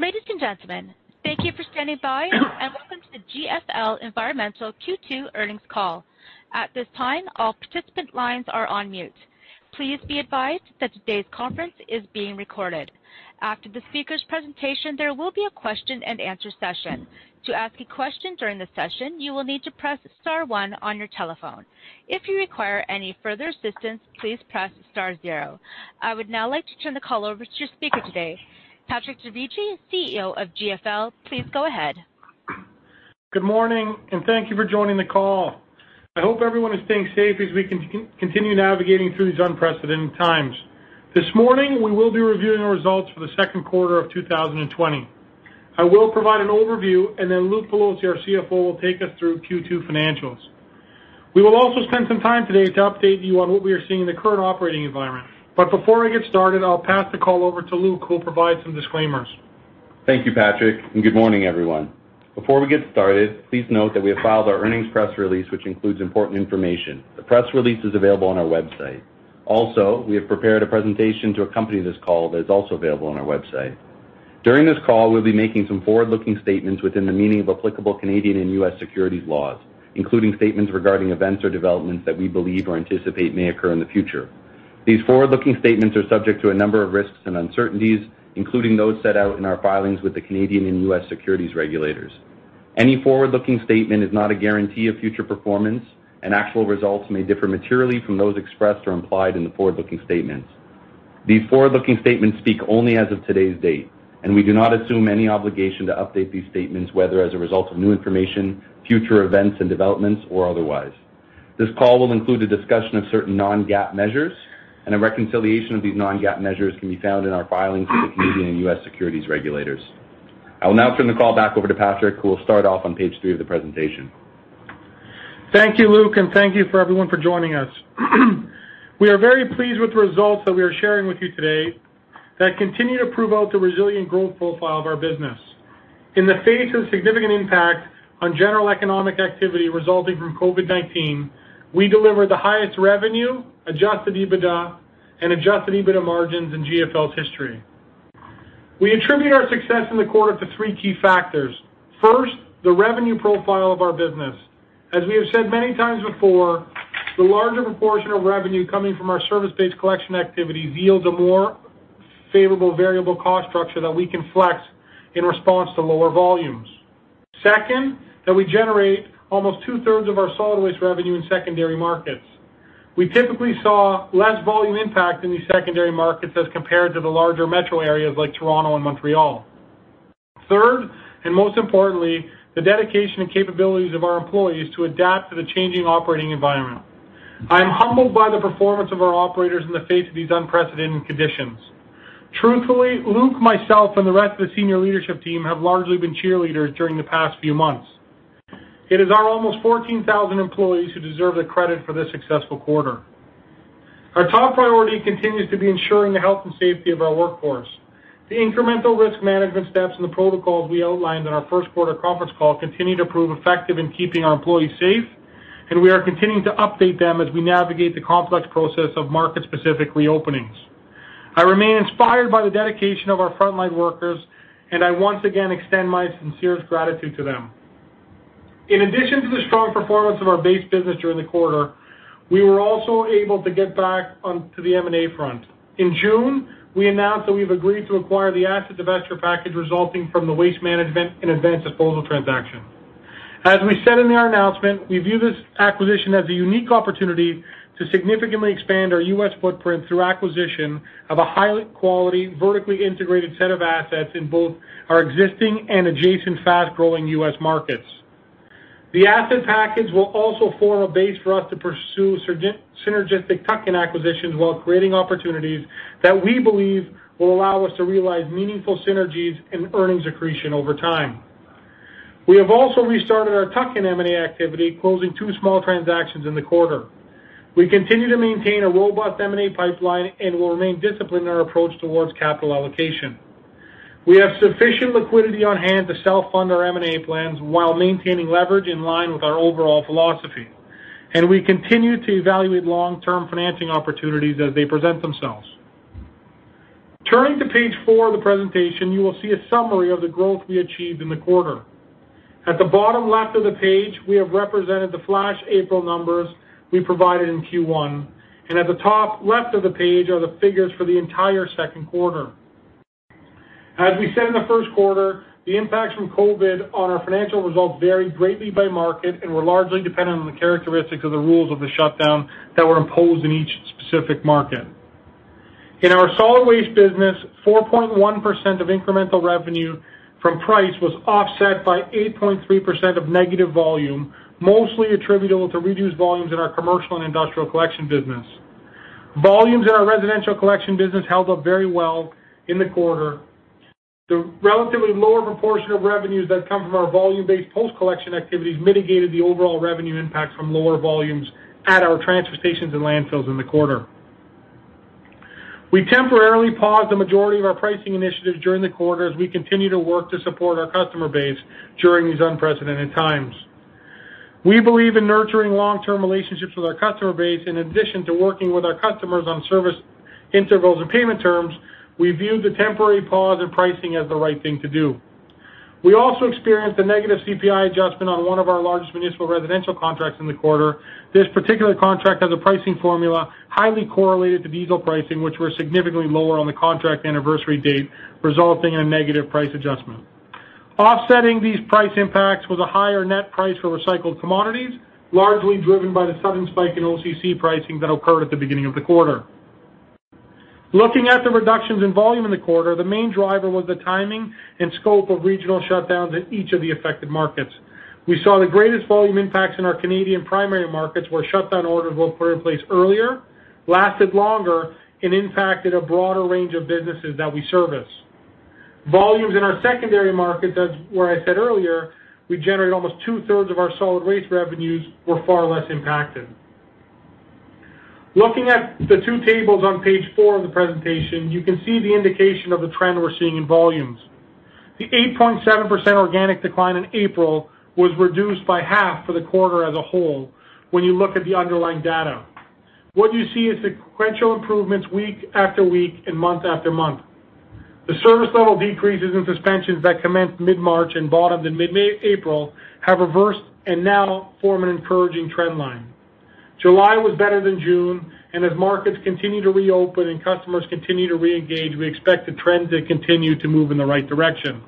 Ladies and gentlemen, thank you for standing by, and welcome to the GFL Environmental Q2 earnings call. At this time, all participant lines are on mute. Please be advised that today's conference is being recorded. After the speaker's presentation, there will be a question and answer session. To ask a question during the session, you will need to press star one on your telephone. If you require any further assistance, please press star zero. I would now like to turn the call over to your speaker today, Patrick Dovigi, CEO of GFL. Please go ahead. Good morning, and thank you for joining the call. I hope everyone is staying safe as we continue navigating through these unprecedented times. This morning, we will be reviewing the results for the second quarter of 2020. I will provide an overview, and then Luke Pelosi, our CFO, will take us through Q2 financials. We will also spend some time today to update you on what we are seeing in the current operating environment. Before I get started, I'll pass the call over to Luke, who will provide some disclaimers. Thank you, Patrick. Good morning, everyone. Before we get started, please note that we have filed our earnings press release, which includes important information. The press release is available on our website. Also, we have prepared a presentation to accompany this call that is also available on our website. During this call, we'll be making some forward-looking statements within the meaning of applicable Canadian and U.S. securities laws, including statements regarding events or developments that we believe or anticipate may occur in the future. These forward-looking statements are subject to a number of risks and uncertainties, including those set out in our filings with the Canadian and U.S. securities regulators. Any forward-looking statement is not a guarantee of future performance, and actual results may differ materially from those expressed or implied in the forward-looking statements. These forward-looking statements speak only as of today's date, and we do not assume any obligation to update these statements, whether as a result of new information, future events and developments, or otherwise. This call will include a discussion of certain non-GAAP measures, and a reconciliation of these non-GAAP measures can be found in our filings with the Canadian and U.S. securities regulators. I will now turn the call back over to Patrick, who will start off on page three of the presentation. Thank you, Luke. Thank you for everyone for joining us. We are very pleased with the results that we are sharing with you today that continue to prove out the resilient growth profile of our business. In the face of significant impact on general economic activity resulting from COVID-19, we delivered the highest revenue, adjusted EBITDA, and adjusted EBITDA margins in GFL's history. We attribute our success in the quarter to three key factors. First, the revenue profile of our business. As we have said many times before, the larger proportion of revenue coming from our service-based collection activities yields a more favorable variable cost structure that we can flex in response to lower volumes. Second, that we generate almost 2/3 of our solid waste revenue in secondary markets. We typically saw less volume impact in these secondary markets as compared to the larger metro areas like Toronto and Montreal. Third, and most importantly, the dedication and capabilities of our employees to adapt to the changing operating environment. I am humbled by the performance of our operators in the face of these unprecedented conditions. Truthfully, Luke, myself, and the rest of the senior leadership team have largely been cheerleaders during the past few months. It is our almost 14,000 employees who deserve the credit for this successful quarter. Our top priority continues to be ensuring the health and safety of our workforce. The incremental risk management steps and the protocols we outlined on our first quarter conference call continue to prove effective in keeping our employees safe, and we are continuing to update them as we navigate the complex process of market-specific reopenings. I remain inspired by the dedication of our frontline workers, and I once again extend my sincerest gratitude to them. In addition to the strong performance of our base business during the quarter, we were also able to get back onto the M&A front. In June, we announced that we've agreed to acquire the asset divestiture package resulting from the Waste Management and Advanced Disposal transaction. As we said in our announcement, we view this acquisition as a unique opportunity to significantly expand our U.S. footprint through acquisition of a high quality, vertically integrated set of assets in both our existing and adjacent fast-growing U.S. markets. The asset package will also form a base for us to pursue synergistic tuck-in acquisitions while creating opportunities that we believe will allow us to realize meaningful synergies and earnings accretion over time. We have also restarted our tuck-in M&A activity, closing two small transactions in the quarter. We continue to maintain a robust M&A pipeline and will remain disciplined in our approach towards capital allocation. We have sufficient liquidity on-hand to self-fund our M&A plans while maintaining leverage in line with our overall philosophy. We continue to evaluate long-term financing opportunities as they present themselves. Turning to page four of the presentation, you will see a summary of the growth we achieved in the quarter. At the bottom left of the page, we have represented the flash April numbers we provided in Q1. At the top left of the page are the figures for the entire second quarter. As we said in the first quarter, the impacts from COVID on our financial results varied greatly by market and were largely dependent on the characteristics of the rules of the shutdown that were imposed in each specific market. In our solid waste business, 4.1% of incremental revenue from price was offset by 8.3% of negative volume, mostly attributable to reduced volumes in our commercial and industrial collection business. Volumes in our residential collection business held up very well in the quarter. The relatively lower proportion of revenues that come from our volume-based post-collection activities mitigated the overall revenue impact from lower volumes at our transfer stations and landfills in the quarter. We temporarily paused the majority of our pricing initiatives during the quarter as we continue to work to support our customer base during these unprecedented times. We believe in nurturing long-term relationships with our customer base. In addition to working with our customers on service intervals or payment terms, we view the temporary pause in pricing as the right thing to do. We also experienced a negative CPI adjustment on one of our largest municipal residential contracts in the quarter. This particular contract has a pricing formula highly correlated to diesel pricing, which were significantly lower on the contract anniversary date, resulting in a negative price adjustment. Offsetting these price impacts was a higher net price for recycled commodities, largely driven by the sudden spike in OCC pricing that occurred at the beginning of the quarter. Looking at the reductions in volume in the quarter, the main driver was the timing and scope of regional shutdowns in each of the affected markets. We saw the greatest volume impacts in our Canadian primary markets, where shutdown orders were put in place earlier, lasted longer, and impacted a broader range of businesses that we service. Volumes in our secondary markets, where I said earlier we generate almost 2/3 of our solid waste revenues, were far less impacted. Looking at the two tables on page four of the presentation, you can see the indication of the trend we're seeing in volumes. The 8.7% organic decline in April was reduced by half for the quarter as a whole, when you look at the underlying data. What you see is sequential improvements week after week and month after month. The service level decreases and suspensions that commenced mid-March and bottomed in mid-April have reversed and now form an encouraging trend line. July was better than June, and as markets continue to reopen and customers continue to reengage, we expect the trends to continue to move in the right direction.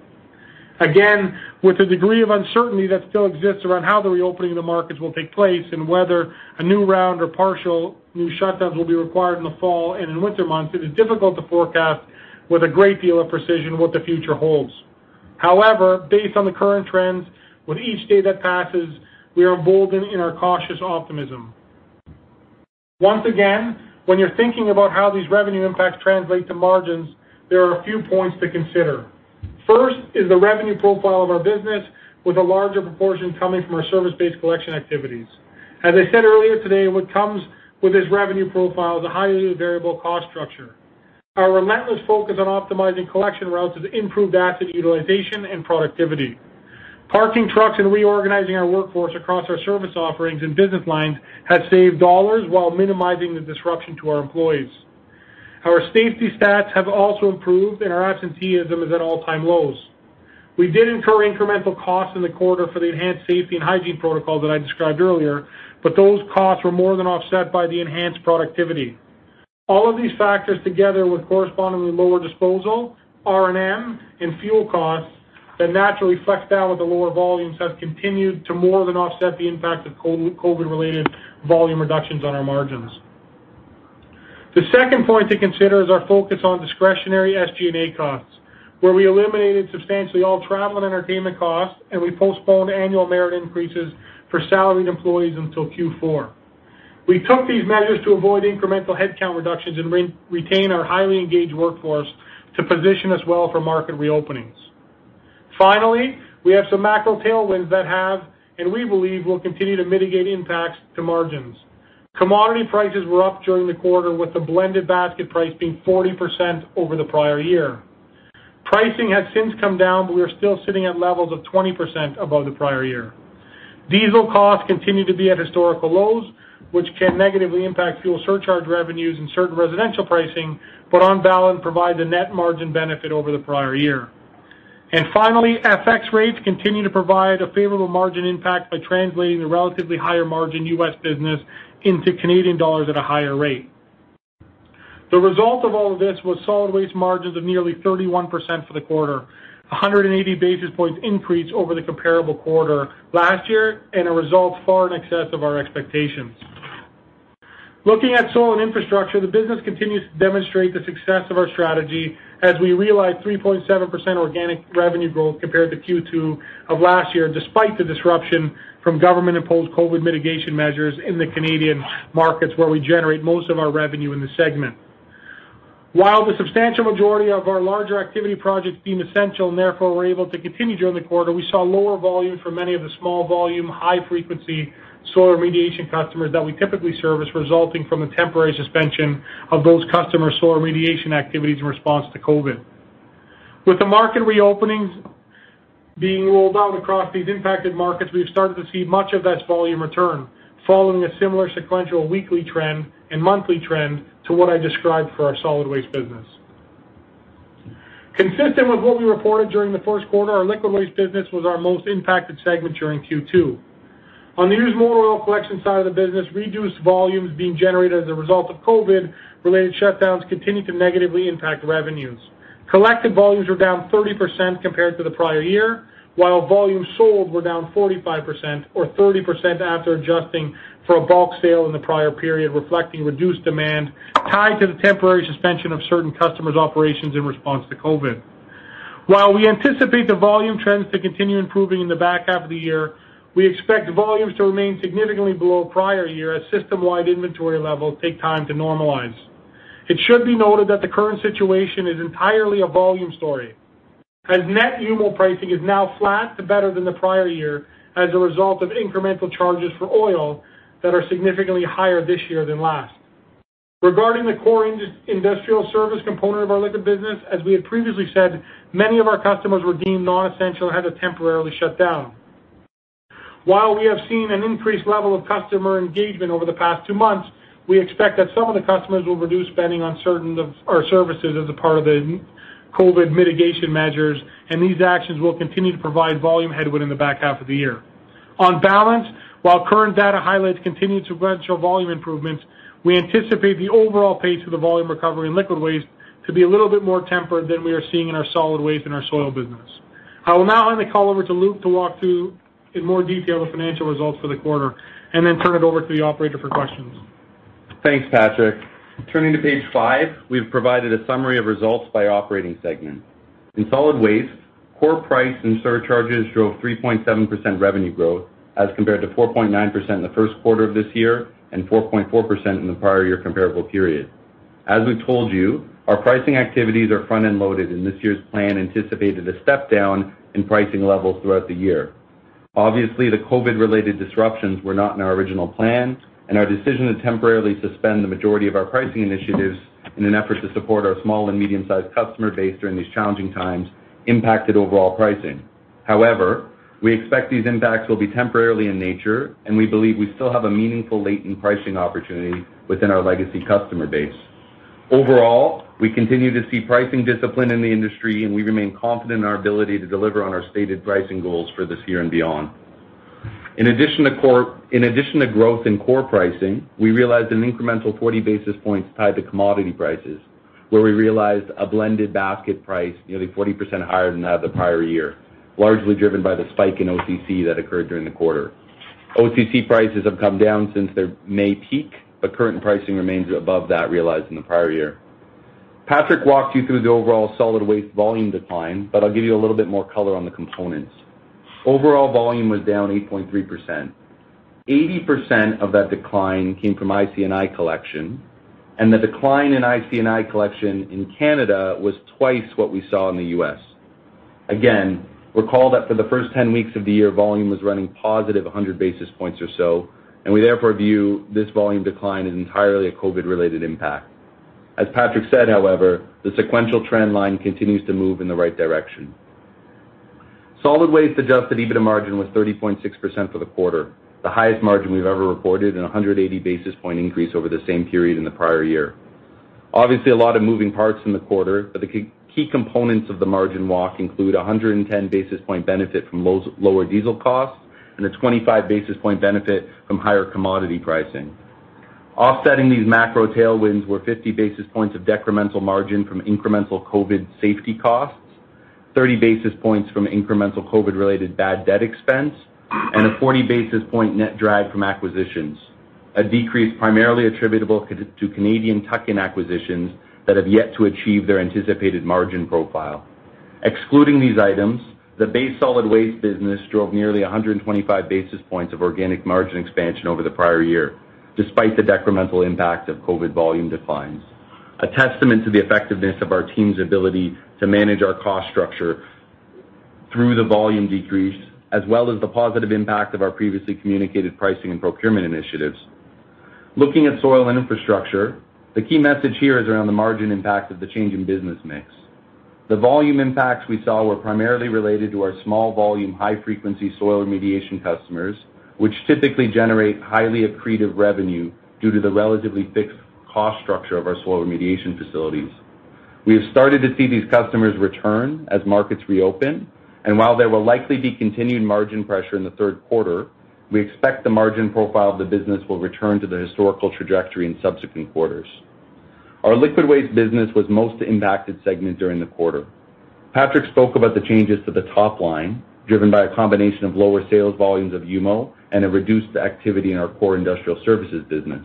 Again, with the degree of uncertainty that still exists around how the reopening of the markets will take place and whether a new round or partial new shutdowns will be required in the fall and in winter months, it is difficult to forecast with a great deal of precision what the future holds. However, based on the current trends, with each day that passes, we are emboldened in our cautious optimism. Once again, when you're thinking about how these revenue impacts translate to margins, there are a few points to consider. First is the revenue profile of our business, with a larger proportion coming from our service-based collection activities. As I said earlier today, what comes with this revenue profile is a highly variable cost structure. Our relentless focus on optimizing collection routes has improved asset utilization and productivity. Parking trucks and reorganizing our workforce across our service offerings and business lines has saved dollars while minimizing the disruption to our employees. Our safety stats have also improved, and our absenteeism is at all-time lows. We did incur incremental costs in the quarter for the enhanced safety and hygiene protocol that I described earlier, but those costs were more than offset by the enhanced productivity. All of these factors, together with correspondingly lower disposal, R&M, and fuel costs that naturally flex down with the lower volumes, have continued to more than offset the impact of COVID-related volume reductions on our margins. The second point to consider is our focus on discretionary SG&A costs, where we eliminated substantially all travel and entertainment costs, and we postponed annual merit increases for salaried employees until Q4. We took these measures to avoid incremental headcount reductions and retain our highly engaged workforce to position us well for market reopenings. Finally, we have some macro tailwinds that have, and we believe will continue, to mitigate impacts to margins. Commodity prices were up during the quarter, with the blended basket price being 40% over the prior year. Pricing has since come down, but we are still sitting at levels of 20% above the prior year. Diesel costs continue to be at historical lows, which can negatively impact fuel surcharge revenues and certain residential pricing, but on balance, provide a net margin benefit over the prior year. Finally, FX rates continue to provide a favorable margin impact by translating the relatively higher-margin U.S. business into Canadian dollars at a higher rate. The result of all of this was solid waste margins of nearly 31% for the quarter, 180 basis points increase over the comparable quarter last year, and a result far in excess of our expectations. Looking at soil and infrastructure, the business continues to demonstrate the success of our strategy as we realized 3.7% organic revenue growth compared to Q2 of last year, despite the disruption from government-imposed COVID mitigation measures in the Canadian markets where we generate most of our revenue in the segment. While the substantial majority of our larger activity projects deemed essential and therefore were able to continue during the quarter, we saw lower volume for many of the small-volume, high-frequency soil remediation customers that we typically service, resulting from a temporary suspension of those customers' soil remediation activities in response to COVID. With the market reopenings being rolled out across these impacted markets, we've started to see much of that volume return, following a similar sequential weekly trend and monthly trend to what I described for our solid waste business. Consistent with what we reported during the first quarter, our liquid waste business was our most impacted segment during Q2. On the used motor oil collection side of the business, reduced volumes being generated as a result of COVID-related shutdowns continued to negatively impact revenues. Collected volumes were down 30% compared to the prior year, while volumes sold were down 45%, or 30% after adjusting for a bulk sale in the prior period, reflecting reduced demand tied to the temporary suspension of certain customers' operations in response to COVID. While we anticipate the volume trends to continue improving in the back half of the year, we expect volumes to remain significantly below prior year as system-wide inventory levels take time to normalize. It should be noted that the current situation is entirely a volume story, as net UMO pricing is now flat to better than the prior year as a result of incremental charges for oil that are significantly higher this year than last. Regarding the core industrial service component of our liquid business, as we had previously said, many of our customers were deemed non-essential or had to temporarily shut down. While we have seen an increased level of customer engagement over the past two months, we expect that some of the customers will reduce spending on certain services as a part of the COVID mitigation measures. These actions will continue to provide volume headwind in the back half of the year. On balance, while current data highlights continued sequential volume improvements, we anticipate the overall pace of the volume recovery in liquid waste to be a little bit more tempered than we are seeing in our solid waste and our soil business. I will now hand the call over to Luke to walk through in more detail the financial results for the quarter. Then turn it over to the operator for questions. Thanks, Patrick. Turning to page five, we've provided a summary of results by operating segment. In solid waste, core price and surcharges drove 3.7% revenue growth, as compared to 4.9% in the first quarter of this year and 4.4% in the prior year comparable period. As we've told you, our pricing activities are front-end loaded, and this year's plan anticipated a step-down in pricing levels throughout the year. Obviously, the COVID-related disruptions were not in our original plan, and our decision to temporarily suspend the majority of our pricing initiatives in an effort to support our small and medium-sized customer base during these challenging times impacted overall pricing. However, we expect these impacts will be temporarily in nature, and we believe we still have a meaningful latent pricing opportunity within our legacy customer base. Overall, we continue to see pricing discipline in the industry, and we remain confident in our ability to deliver on our stated pricing goals for this year and beyond. In addition to growth in core pricing, we realized an incremental 40 basis points tied to commodity prices, where we realized a blended basket price nearly 40% higher than that of the prior year, largely driven by the spike in OCC that occurred during the quarter. OCC prices have come down since their May peak, but current pricing remains above that realized in the prior year. Patrick walked you through the overall solid waste volume decline, but I'll give you a little bit more color on the components. Overall volume was down 8.3%. 80% of that decline came from ICI collection, and the decline in ICI collection in Canada was twice what we saw in the U.S. Again, recall that for the first 10 weeks of the year, volume was running +100 basis points or so, and we therefore view this volume decline as entirely a COVID-related impact. As Patrick said, however, the sequential trend line continues to move in the right direction. Solid waste-adjusted EBITDA margin was 30.6% for the quarter, the highest margin we've ever reported and 180 basis point increase over the same period in the prior year. Obviously, a lot of moving parts in the quarter, but the key components of the margin walk include 110 basis point benefit from lower diesel costs and a 25 basis point benefit from higher commodity pricing. Offsetting these macro tailwinds were 50 basis points of decremental margin from incremental COVID safety costs, 30 basis points from incremental COVID-related bad debt expense, and a 40 basis point net drag from acquisitions, a decrease primarily attributable to Canadian tuck-in acquisitions that have yet to achieve their anticipated margin profile. Excluding these items, the base solid waste business drove nearly 125 basis points of organic margin expansion over the prior year, despite the decremental impact of COVID volume declines, a testament to the effectiveness of our team's ability to manage our cost structure through the volume decrease, as well as the positive impact of our previously communicated pricing and procurement initiatives. Looking at soil and infrastructure, the key message here is around the margin impact of the change in business mix. The volume impacts we saw were primarily related to our small volume, high-frequency soil remediation customers, which typically generate highly accretive revenue due to the relatively fixed cost structure of our soil remediation facilities. We have started to see these customers return as markets reopen, and while there will likely be continued margin pressure in the third quarter, we expect the margin profile of the business will return to the historical trajectory in subsequent quarters. Our liquid waste business was the most impacted segment during the quarter. Patrick spoke about the changes to the top line, driven by a combination of lower sales volumes of UMO and a reduced activity in our core industrial services business.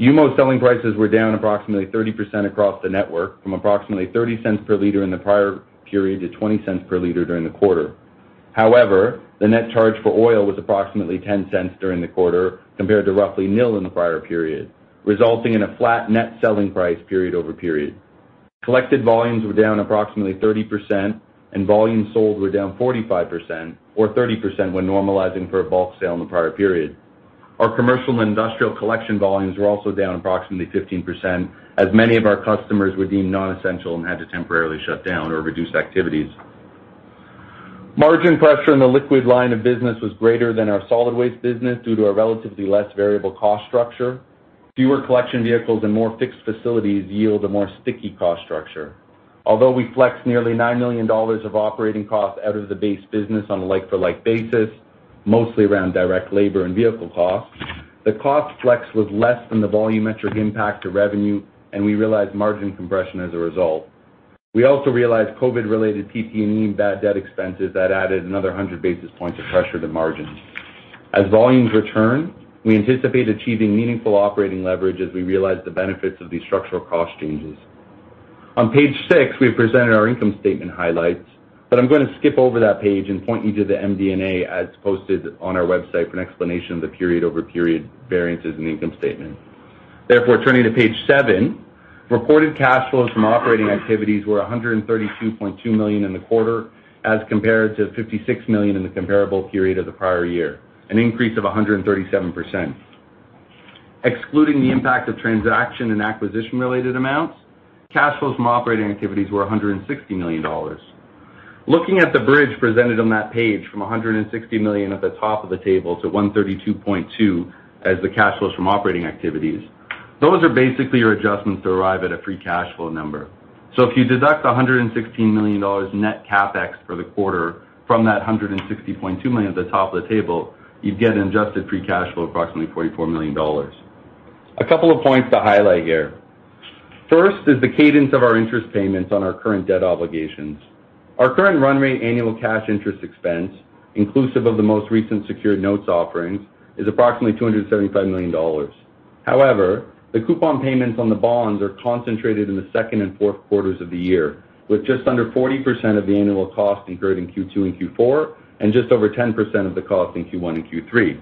UMO selling prices were down approximately 30% across the network, from approximately 0.30 per liter in the prior period to 0.20 per liter during the quarter. However, the net charge for oil was approximately 0.10 during the quarter, compared to roughly nil in the prior period, resulting in a flat net selling price period-over-period. Collected volumes were down approximately 30%, and volumes sold were down 45%, or 30% when normalizing for a bulk sale in the prior period. Our commercial and industrial collection volumes were also down approximately 15%, as many of our customers were deemed non-essential and had to temporarily shut down or reduce activities. Margin pressure in the liquid line of business was greater than our solid waste business due to a relatively less variable cost structure. Fewer collection vehicles and more fixed facilities yield a more sticky cost structure. Although we flexed nearly 9 million dollars of operating costs out of the base business on a like-for-like basis, mostly around direct labor and vehicle costs, the cost flex was less than the volumetric impact to revenue, and we realized margin compression as a result. We also realized COVID-related PPE bad debt expenses that added another 100 basis points of pressure to margin. As volumes return, we anticipate achieving meaningful operating leverage as we realize the benefits of these structural cost changes. On page six, we have presented our income statement highlights, but I am going to skip over that page and point you to the MD&A as posted on our website for an explanation of the period-over-period variances in the income statement. Therefore, turning to page seven. Reported cash flows from operating activities were 132.2 million in the quarter as compared to 56 million in the comparable period of the prior year, an increase of 137%. Excluding the impact of transaction and acquisition-related amounts, cash flows from operating activities were 160 million dollars. Looking at the bridge presented on that page from 160 million at the top of the table to 132.2 million as the cash flows from operating activities, those are basically your adjustments to arrive at a free cash flow number. If you deduct 116 million dollars net CapEx for the quarter from that 160.2 million at the top of the table, you'd get an adjusted free cash flow of approximately 44 million dollars. A couple of points to highlight here. First is the cadence of our interest payments on our current debt obligations. Our current run rate annual cash interest expense, inclusive of the most recent secured notes offerings, is approximately 275 million dollars. However, the coupon payments on the bonds are concentrated in the second and fourth quarters of the year, with just under 40% of the annual cost incurred in Q2 and Q4, and just over 10% of the cost in Q1 and Q3.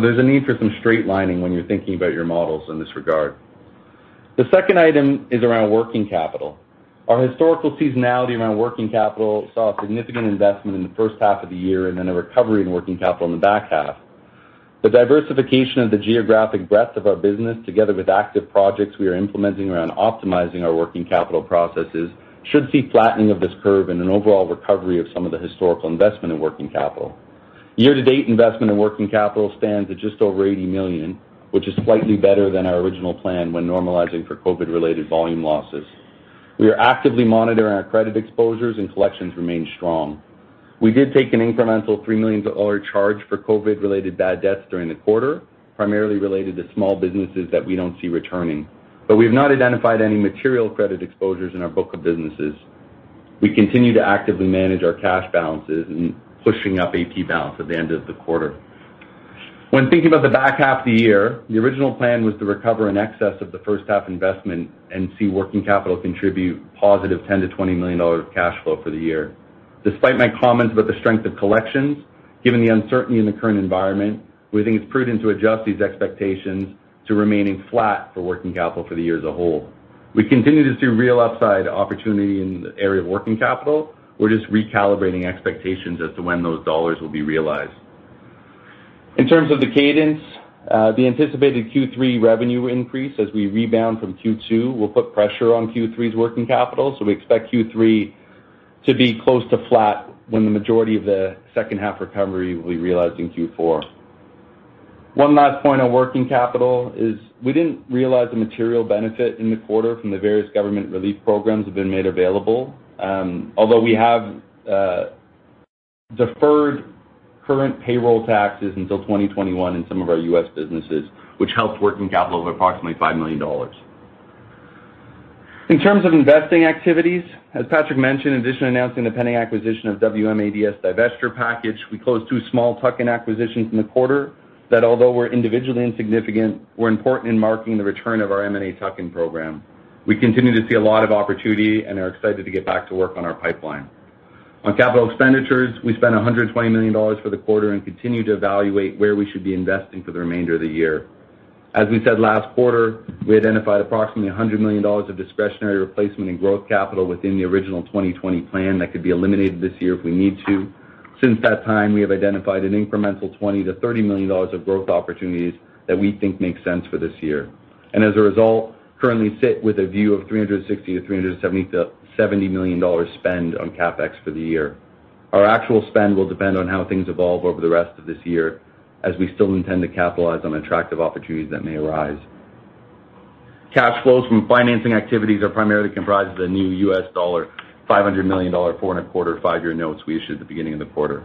There's a need for some straight lining when you're thinking about your models in this regard. The second item is around working capital. Our historical seasonality around working capital saw a significant investment in the first half of the year and then a recovery in working capital in the back half. The diversification of the geographic breadth of our business, together with active projects we are implementing around optimizing our working capital processes, should see flattening of this curve and an overall recovery of some of the historical investment in working capital. Year-to-date investment in working capital stands at just over 80 million, which is slightly better than our original plan when normalizing for COVID-related volume losses. We are actively monitoring our credit exposures and collections remain strong. We did take an incremental 3 million dollar charge for COVID-related bad debts during the quarter, primarily related to small businesses that we don't see returning. We have not identified any material credit exposures in our book of businesses. We continue to actively manage our cash balances in pushing up AP balance at the end of the quarter. When thinking about the back half of the year, the original plan was to recover in excess of the first half investment and see working capital contribute positive 10 million-20 million dollars of cash flow for the year. Despite my comments about the strength of collections, given the uncertainty in the current environment, we think it's prudent to adjust these expectations to remaining flat for working capital for the year as a whole. We continue to see real upside opportunity in the area of working capital. We're just recalibrating expectations as to when those dollars will be realized. In terms of the cadence, the anticipated Q3 revenue increase as we rebound from Q2 will put pressure on Q3's working capital, so we expect Q3 to be close to flat when the majority of the second half recovery will be realized in Q4. One last point on working capital is we didn't realize the material benefit in the quarter from the various government relief programs that have been made available, although we have deferred current payroll taxes until 2021 in some of our U.S. businesses, which helped working capital of approximately 5 million dollars. In terms of investing activities, as Patrick mentioned, in addition to announcing the pending acquisition of WM/ADS divestiture package, we closed two small tuck-in acquisitions in the quarter that although were individually insignificant, were important in marking the return of our M&A tuck-in program. We continue to see a lot of opportunity and are excited to get back to work on our pipeline. On capital expenditures, we spent 120 million dollars for the quarter and continue to evaluate where we should be investing for the remainder of the year. As we said last quarter, we identified approximately 100 million dollars of discretionary replacement and growth capital within the original 2020 plan that could be eliminated this year if we need to. Since that time, we have identified an incremental 20 million-30 million dollars of growth opportunities that we think make sense for this year. As a result, currently sit with a view of 360 million-370 million dollars spend on CapEx for the year. Our actual spend will depend on how things evolve over the rest of this year, as we still intend to capitalize on attractive opportunities that may arise. Cash flows from financing activities are primarily comprised of the new $500 million four and a quarter, five-year notes we issued at the beginning of the quarter.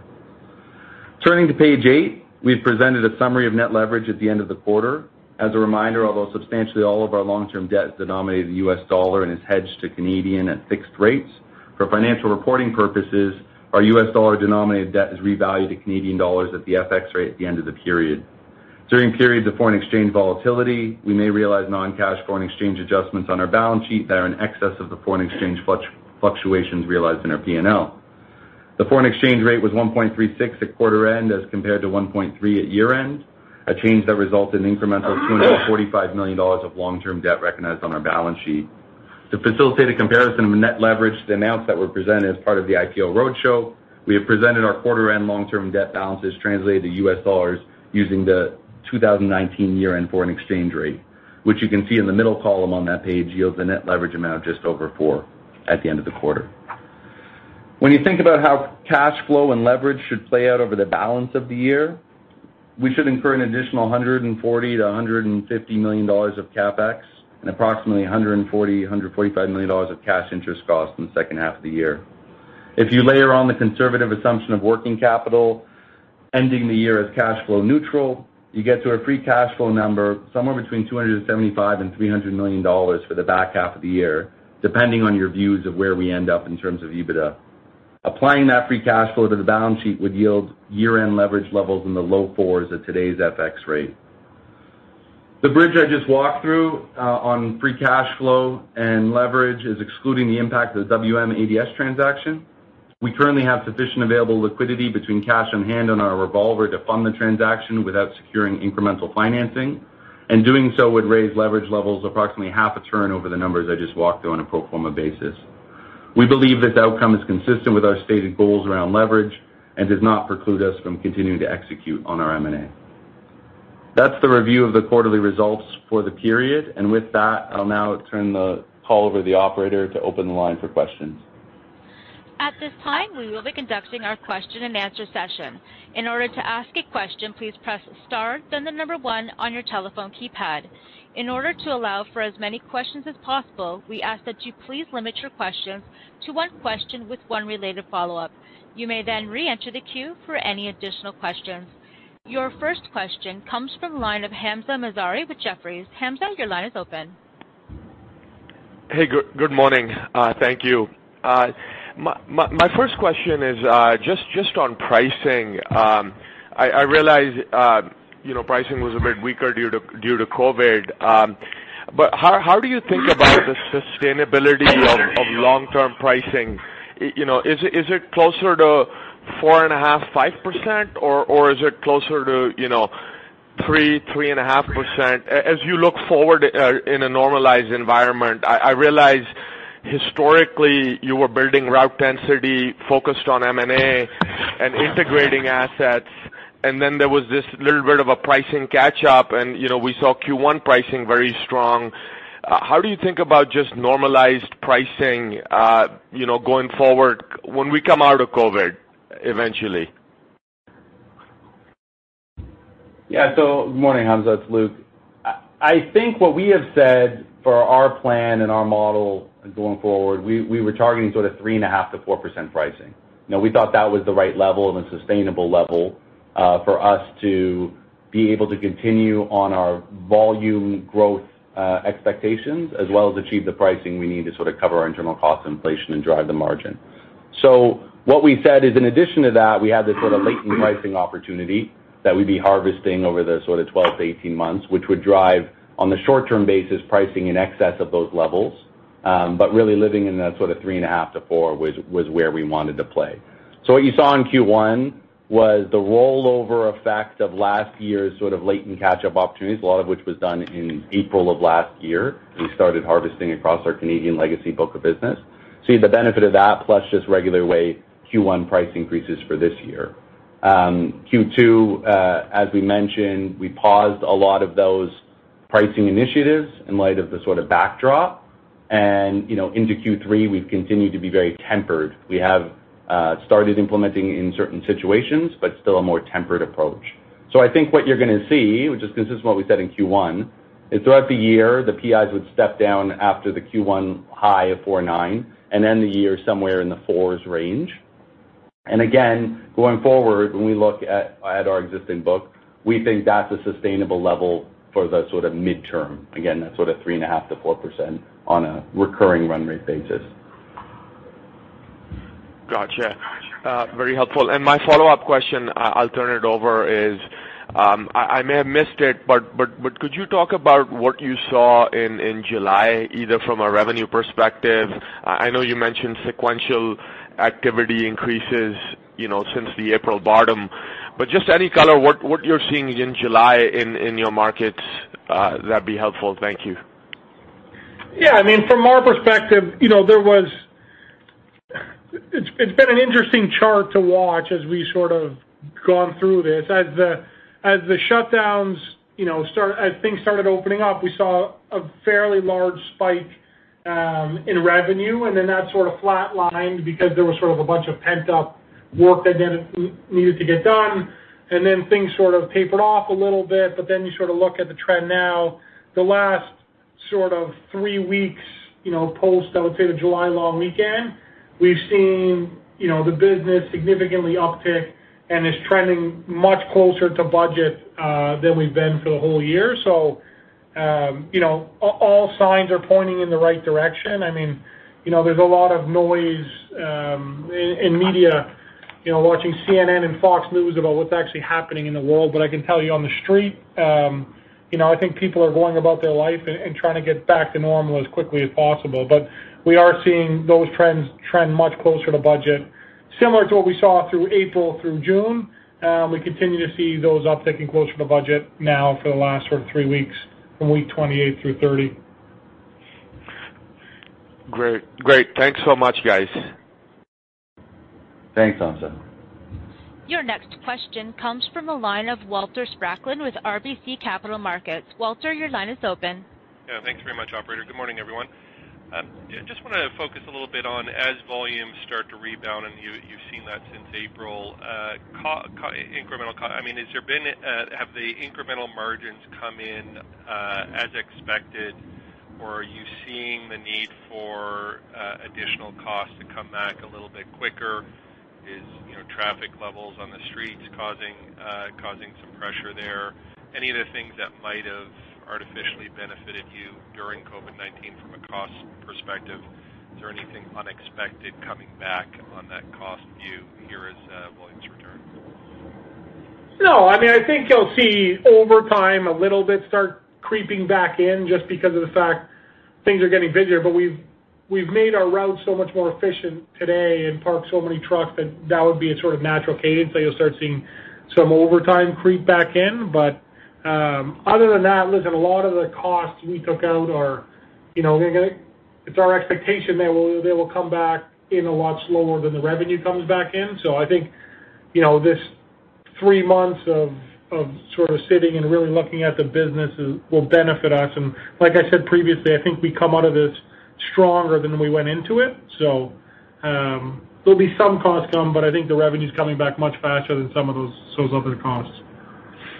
Turning to page eight, we've presented a summary of net leverage at the end of the quarter. As a reminder, although substantially all of our long-term debt is denominated in U.S. dollar and is hedged to Canadian at fixed rates, for financial reporting purposes, our U.S. dollar denominated debt is revalued to Canadian dollars at the FX rate at the end of the period. During periods of foreign exchange volatility, we may realize non-cash foreign exchange adjustments on our balance sheet that are in excess of the foreign exchange fluctuations realized in our P&L. The foreign exchange rate was 1.36 at quarter end as compared to 1.3 at year-end, a change that resulted in incremental 245 million dollars of long-term debt recognized on our balance sheet. To facilitate a comparison of net leverage to announce that were presented as part of the IPO roadshow, we have presented our quarter end long-term debt balances translated to U.S. dollars using the 2019 year-end foreign exchange rate, which you can see in the middle column on that page yields a net leverage amount of just over 4% at the end of the quarter. When you think about how cash flow and leverage should play out over the balance of the year, we should incur an additional 140 million-150 million dollars of CapEx and approximately 140 million, 145 million dollars of cash interest costs in the second half of the year. If you layer on the conservative assumption of working capital ending the year as cash flow neutral, you get to a free cash flow number somewhere between 275 million and 300 million dollars for the back half of the year, depending on your views of where we end up in terms of EBITDA. Applying that free cash flow to the balance sheet would yield year-end leverage levels in the low-4% at today's FX rate. The bridge I just walked through, on free cash flow and leverage is excluding the impact of the WM/ADS transaction. We currently have sufficient available liquidity between cash on hand and our revolver to fund the transaction without securing incremental financing, and doing so would raise leverage levels approximately half a turn over the numbers I just walked through on a pro forma basis. We believe this outcome is consistent with our stated goals around leverage and does not preclude us from continuing to execute on our M&A. That's the review of the quarterly results for the period. With that, I'll now turn the call over to the operator to open the line for questions. At this time, we will be conducting our question and answer session. In order to ask a question, please press star then the number one on your telephone keypad. In order to allow for as many questions as possible, we ask that you please limit your questions to one question with one related follow-up. You may then re-enter the queue for any additional questions. Your first question comes from the line of Hamzah Mazari with Jefferies. Hamzah, your line is open. Hey, good morning. Thank you. My first question is just on pricing. I realize pricing was a bit weaker due to COVID. How do you think about the sustainability of long-term pricing? Is it closer to 4.5%, 5%, or is it closer to 3%, 3.5%? As you look forward in a normalized environment, I realize historically you were building route density focused on M&A and integrating assets. There was this little bit of a pricing catch-up and we saw Q1 pricing very strong. How do you think about just normalized pricing going forward when we come out of COVID eventually? Good morning, Hamzah. It's Luke. I think what we have said for our plan and our model going forward, we were targeting sort of 3.5%-4% pricing. We thought that was the right level and a sustainable level for us to be able to continue on our volume growth expectations as well as achieve the pricing we need to sort of cover our internal cost inflation and drive the margin. What we said is in addition to that, we had this sort of latent pricing opportunity that we'd be harvesting over the sort of 12-18 months, which would drive, on the short-term basis, pricing in excess of those levels. Really living in that sort of 3.5%-4% was where we wanted to play. What you saw in Q1 was the rollover effect of last year's sort of latent catch-up opportunities, a lot of which was done in April of last year. We started harvesting across our Canadian legacy book of business. You had the benefit of that plus just regular way Q1 price increases for this year. Q2, as we mentioned, we paused a lot of those pricing initiatives in light of the sort of backdrop and into Q3, we've continued to be very tempered. We have started implementing in certain situations, but still a more tempered approach. I think what you're going to see, which is consistent with what we said in Q1, is throughout the year, the PIs would step down after the Q1 high of 4.9% and end the year somewhere in the 4% range. Again, going forward, when we look at our existing book, we think that's a sustainable level for the sort of midterm. Again, that sort of 3.5%-4% on a recurring run rate basis. Got you. Very helpful. My follow-up question, I'll turn it over is, I may have missed it, but could you talk about what you saw in July, either from a revenue perspective? I know you mentioned sequential activity increases since the April bottom, but just any color what you're seeing in July in your markets, that'd be helpful. Thank you. From our perspective, it's been an interesting chart to watch as we sort of gone through this. As things started opening up, we saw a fairly large spike in revenue, then that sort of flat lined because there was sort of a bunch of pent-up work that needed to get done, then things sort of tapered off a little bit. Then you sort of look at the trend now, the last sort of three weeks, post, I would say, the July long weekend, we've seen the business significantly uptick and is trending much closer to budget, than we've been for the whole year. All signs are pointing in the right direction. There's a lot of noise in media watching CNN and Fox News about what's actually happening in the world. I can tell you on the street, I think people are going about their life and trying to get back to normal as quickly as possible. We are seeing those trends trend much closer to budget. Similar to what we saw through April through June, we continue to see those upticking closer to budget now for the last sort of three weeks from week 28 through 30. Great. Thanks so much, guys. Thanks, Hamzah. Your next question comes from the line of Walter Spracklin with RBC Capital Markets. Walter, your line is open. Thanks very much, operator. Good morning, everyone. I just want to focus a little bit on as volumes start to rebound, and you've seen that since April, have the incremental margins come in as expected, or are you seeing the need for additional costs to come back a little bit quicker? Is traffic levels on the streets causing some pressure there? Any of the things that might have artificially benefited you during COVID-19 from a cost perspective, is there anything unexpected coming back on that cost view here? No, I think you'll see over time a little bit start creeping back in just because of the fact things are getting busier. We've made our routes so much more efficient today and parked so many trucks that would be a sort of natural cadence that you'll start seeing some overtime creep back in. Other than that, listen, a lot of the costs we took out. It's our expectation they will come back in a lot slower than the revenue comes back in. I think, this three months of sort of sitting and really looking at the business will benefit us. Like I said previously, I think we come out of this stronger than we went into it. There'll be some cost come, but I think the revenue's coming back much faster than some of those other costs.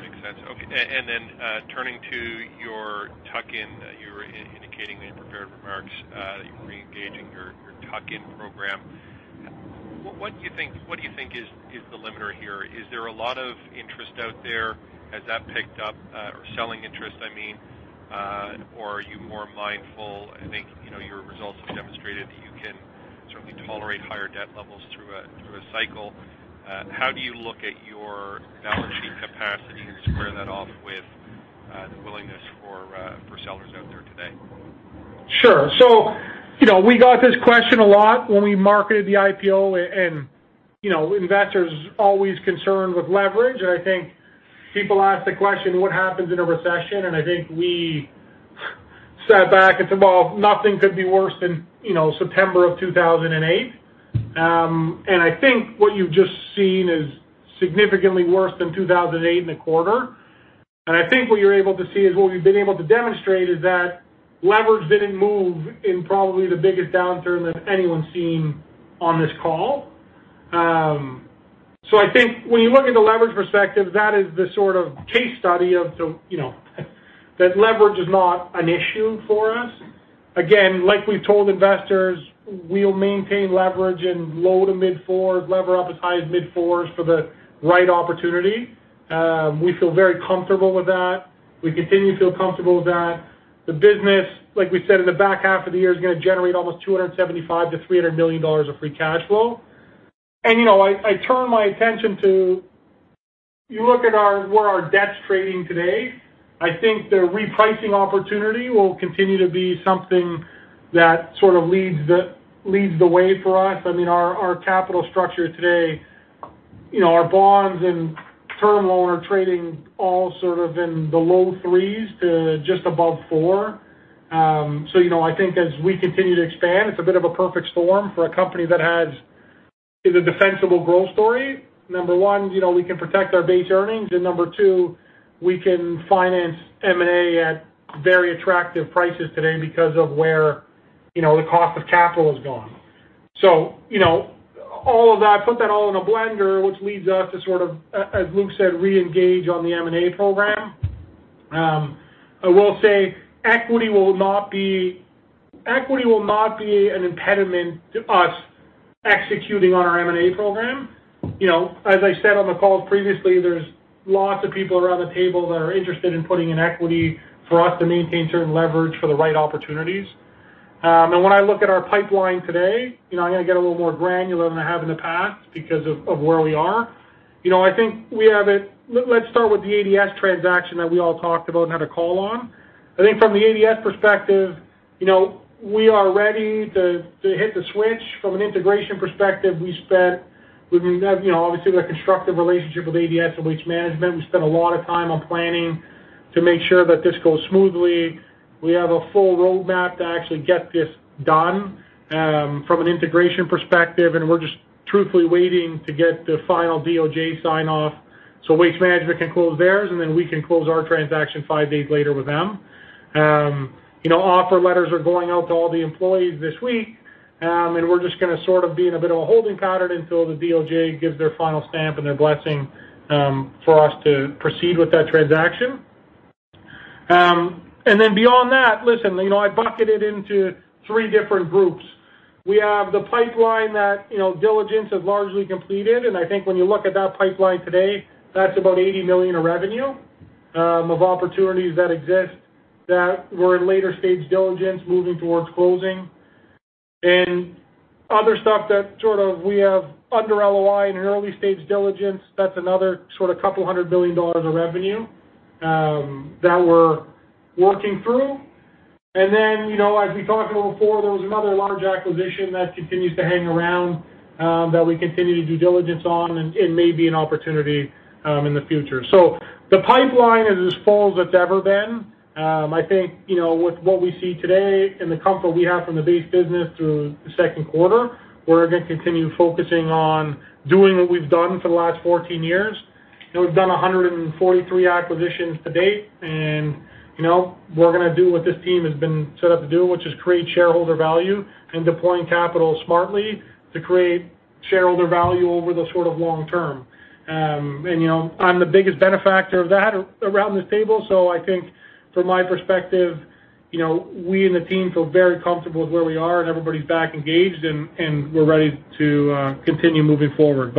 Makes sense. Okay. Turning to your tuck-in, you were indicating in the prepared remarks, that you were re-engaging your tuck-in program. What do you think is the limiter here? Is there a lot of interest out there? Has that picked up, or selling interest, I mean, or are you more mindful? I think your results have demonstrated that you can certainly tolerate higher debt levels through a cycle. How do you look at your balance sheet capacity and square that off with the willingness for sellers out there today? Sure. We got this question a lot when we marketed the IPO, and investors are always concerned with leverage. I think people ask the question, what happens in a recession? I think we sat back and said, well, nothing could be worse than September of 2008. I think what you've just seen is significantly worse than 2008 in a quarter. I think what you're able to see is what we've been able to demonstrate is that leverage didn't move in probably the biggest downturn that anyone's seen on this call. I think when you look at the leverage perspective, that is the sort of case study of that leverage is not an issue for us. Again, like we've told investors, we'll maintain leverage in low to mid-4%, lever up as high as mid-4% for the right opportunity. We feel very comfortable with that. We continue to feel comfortable with that. The business, like we said, in the back half of the year, is going to generate almost 275 million-300 million dollars of free cash flow. I turn my attention to, you look at where our debt's trading today, I think the repricing opportunity will continue to be something that sort of leads the way for us. Our capital structure today, our bonds and term loan are trading all sort of in the low 3%s to just above 4%. I think as we continue to expand, it's a bit of a perfect storm for a company that has a defensible growth story. Number one, we can protect our base earnings. Number two, we can finance M&A at very attractive prices today because of where the cost of capital has gone. All of that, put that all in a blender, which leads us to sort of, as Luke said, re-engage on the M&A program. I will say equity will not be an impediment to us executing on our M&A program. As I said on the call previously, there's lots of people around the table that are interested in putting in equity for us to maintain certain leverage for the right opportunities. When I look at our pipeline today, I'm going to get a little more granular than I have in the past because of where we are. Let's start with the ADS transaction that we all talked about and had a call on. I think from the ADS perspective, we are ready to hit the switch. From an integration perspective, we spent, obviously, with a constructive relationship with ADS and Waste Management, we spent a lot of time on planning to make sure that this goes smoothly. We have a full roadmap to actually get this done from an integration perspective, and we're just truthfully waiting to get the final DOJ sign-off so Waste Management can close theirs, and then we can close our transaction five days later with them. Offer letters are going out to all the employees this week, and we're just going to sort of be in a bit of a holding pattern until the DOJ gives their final stamp and their blessing for us to proceed with that transaction. Beyond that, listen, I bucket it into three different groups. We have the pipeline that diligence has largely completed. I think when you look at that pipeline today, that's about 80 million of revenue of opportunities that exist that were in later stage diligence moving towards closing. Other stuff that sort of we have under LOI and early stage diligence, that's another sort of 200 million dollars of revenue that we're working through. Then as we talked about before, there was another large acquisition that continues to hang around that we continue to do diligence on and may be an opportunity in the future. The pipeline is as full as it's ever been. I think with what we see today and the comfort we have from the base business through the second quarter, we're going to continue focusing on doing what we've done for the last 14 years. We've done 143 acquisitions to date, and we're going to do what this team has been set up to do, which is create shareholder value and deploying capital smartly to create shareholder value over the sort of long term. I'm the biggest benefactor of that around this table, so I think from my perspective, we and the team feel very comfortable with where we are and everybody's back engaged and we're ready to continue moving forward.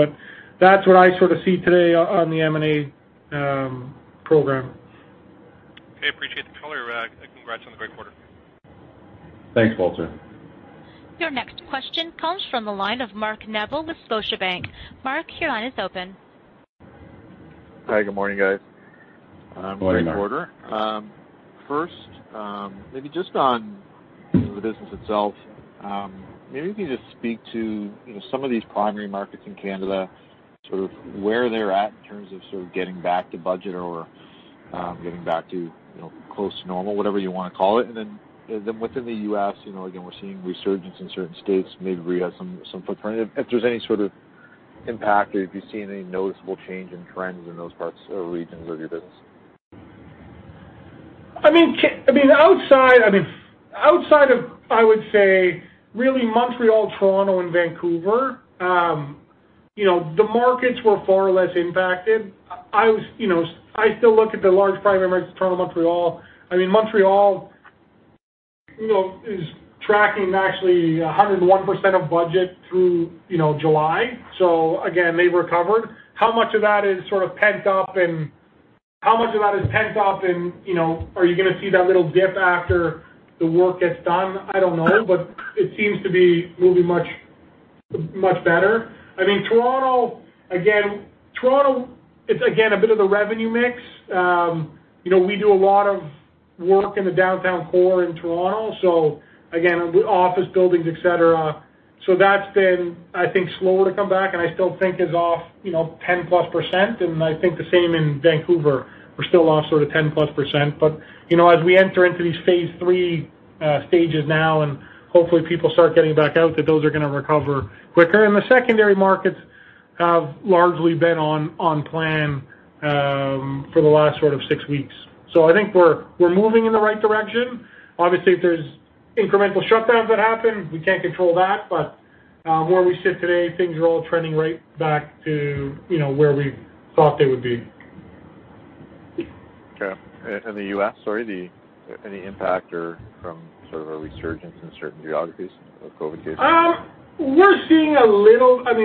That's what I sort of see today on the M&A program. Okay. Appreciate the color. Congrats on the great quarter. Thanks, Walter. Your next question comes from the line of Mark Neville with Scotiabank. Mark, your line is open. Hi, good morning, guys. Good morning, Mark. Great quarter. First, maybe just on the business itself. Maybe you can just speak to some of these primary markets in Canada, sort of where they're at in terms of sort of getting back to budget or getting back to close to normal, whatever you want to call it. Within the U.S., again, we're seeing resurgence in certain states, maybe where you have some footprint. If there's any sort of impact or if you're seeing any noticeable change in trends in those parts or regions of your business? Outside of, I would say, really Montreal, Toronto, and Vancouver, the markets were far less impacted. I still look at the large private markets, Toronto, Montreal. Montreal is tracking actually 101% of budget through July. Again, they've recovered. How much of that is pent up and are you going to see that little dip after the work gets done? I don't know, but it seems to be moving much better. Toronto, it's again a bit of the revenue mix. We do a lot of work in the downtown core in Toronto, so again, office buildings, et cetera. That's been, I think, slower to come back and I still think is off 10%+, and I think the same in Vancouver. We're still off sort of 10%+. As we enter into these phase III stages now and hopefully people start getting back out, those are going to recover quicker. The secondary markets have largely been on plan for the last sort of six weeks. I think we're moving in the right direction. Obviously, if there's incremental shutdowns that happen, we can't control that. Where we sit today, things are all trending right back to where we thought they would be. Okay. In the U.S., sorry, any impact or from sort of a resurgence in certain geographies of COVID cases? We're seeing a little bit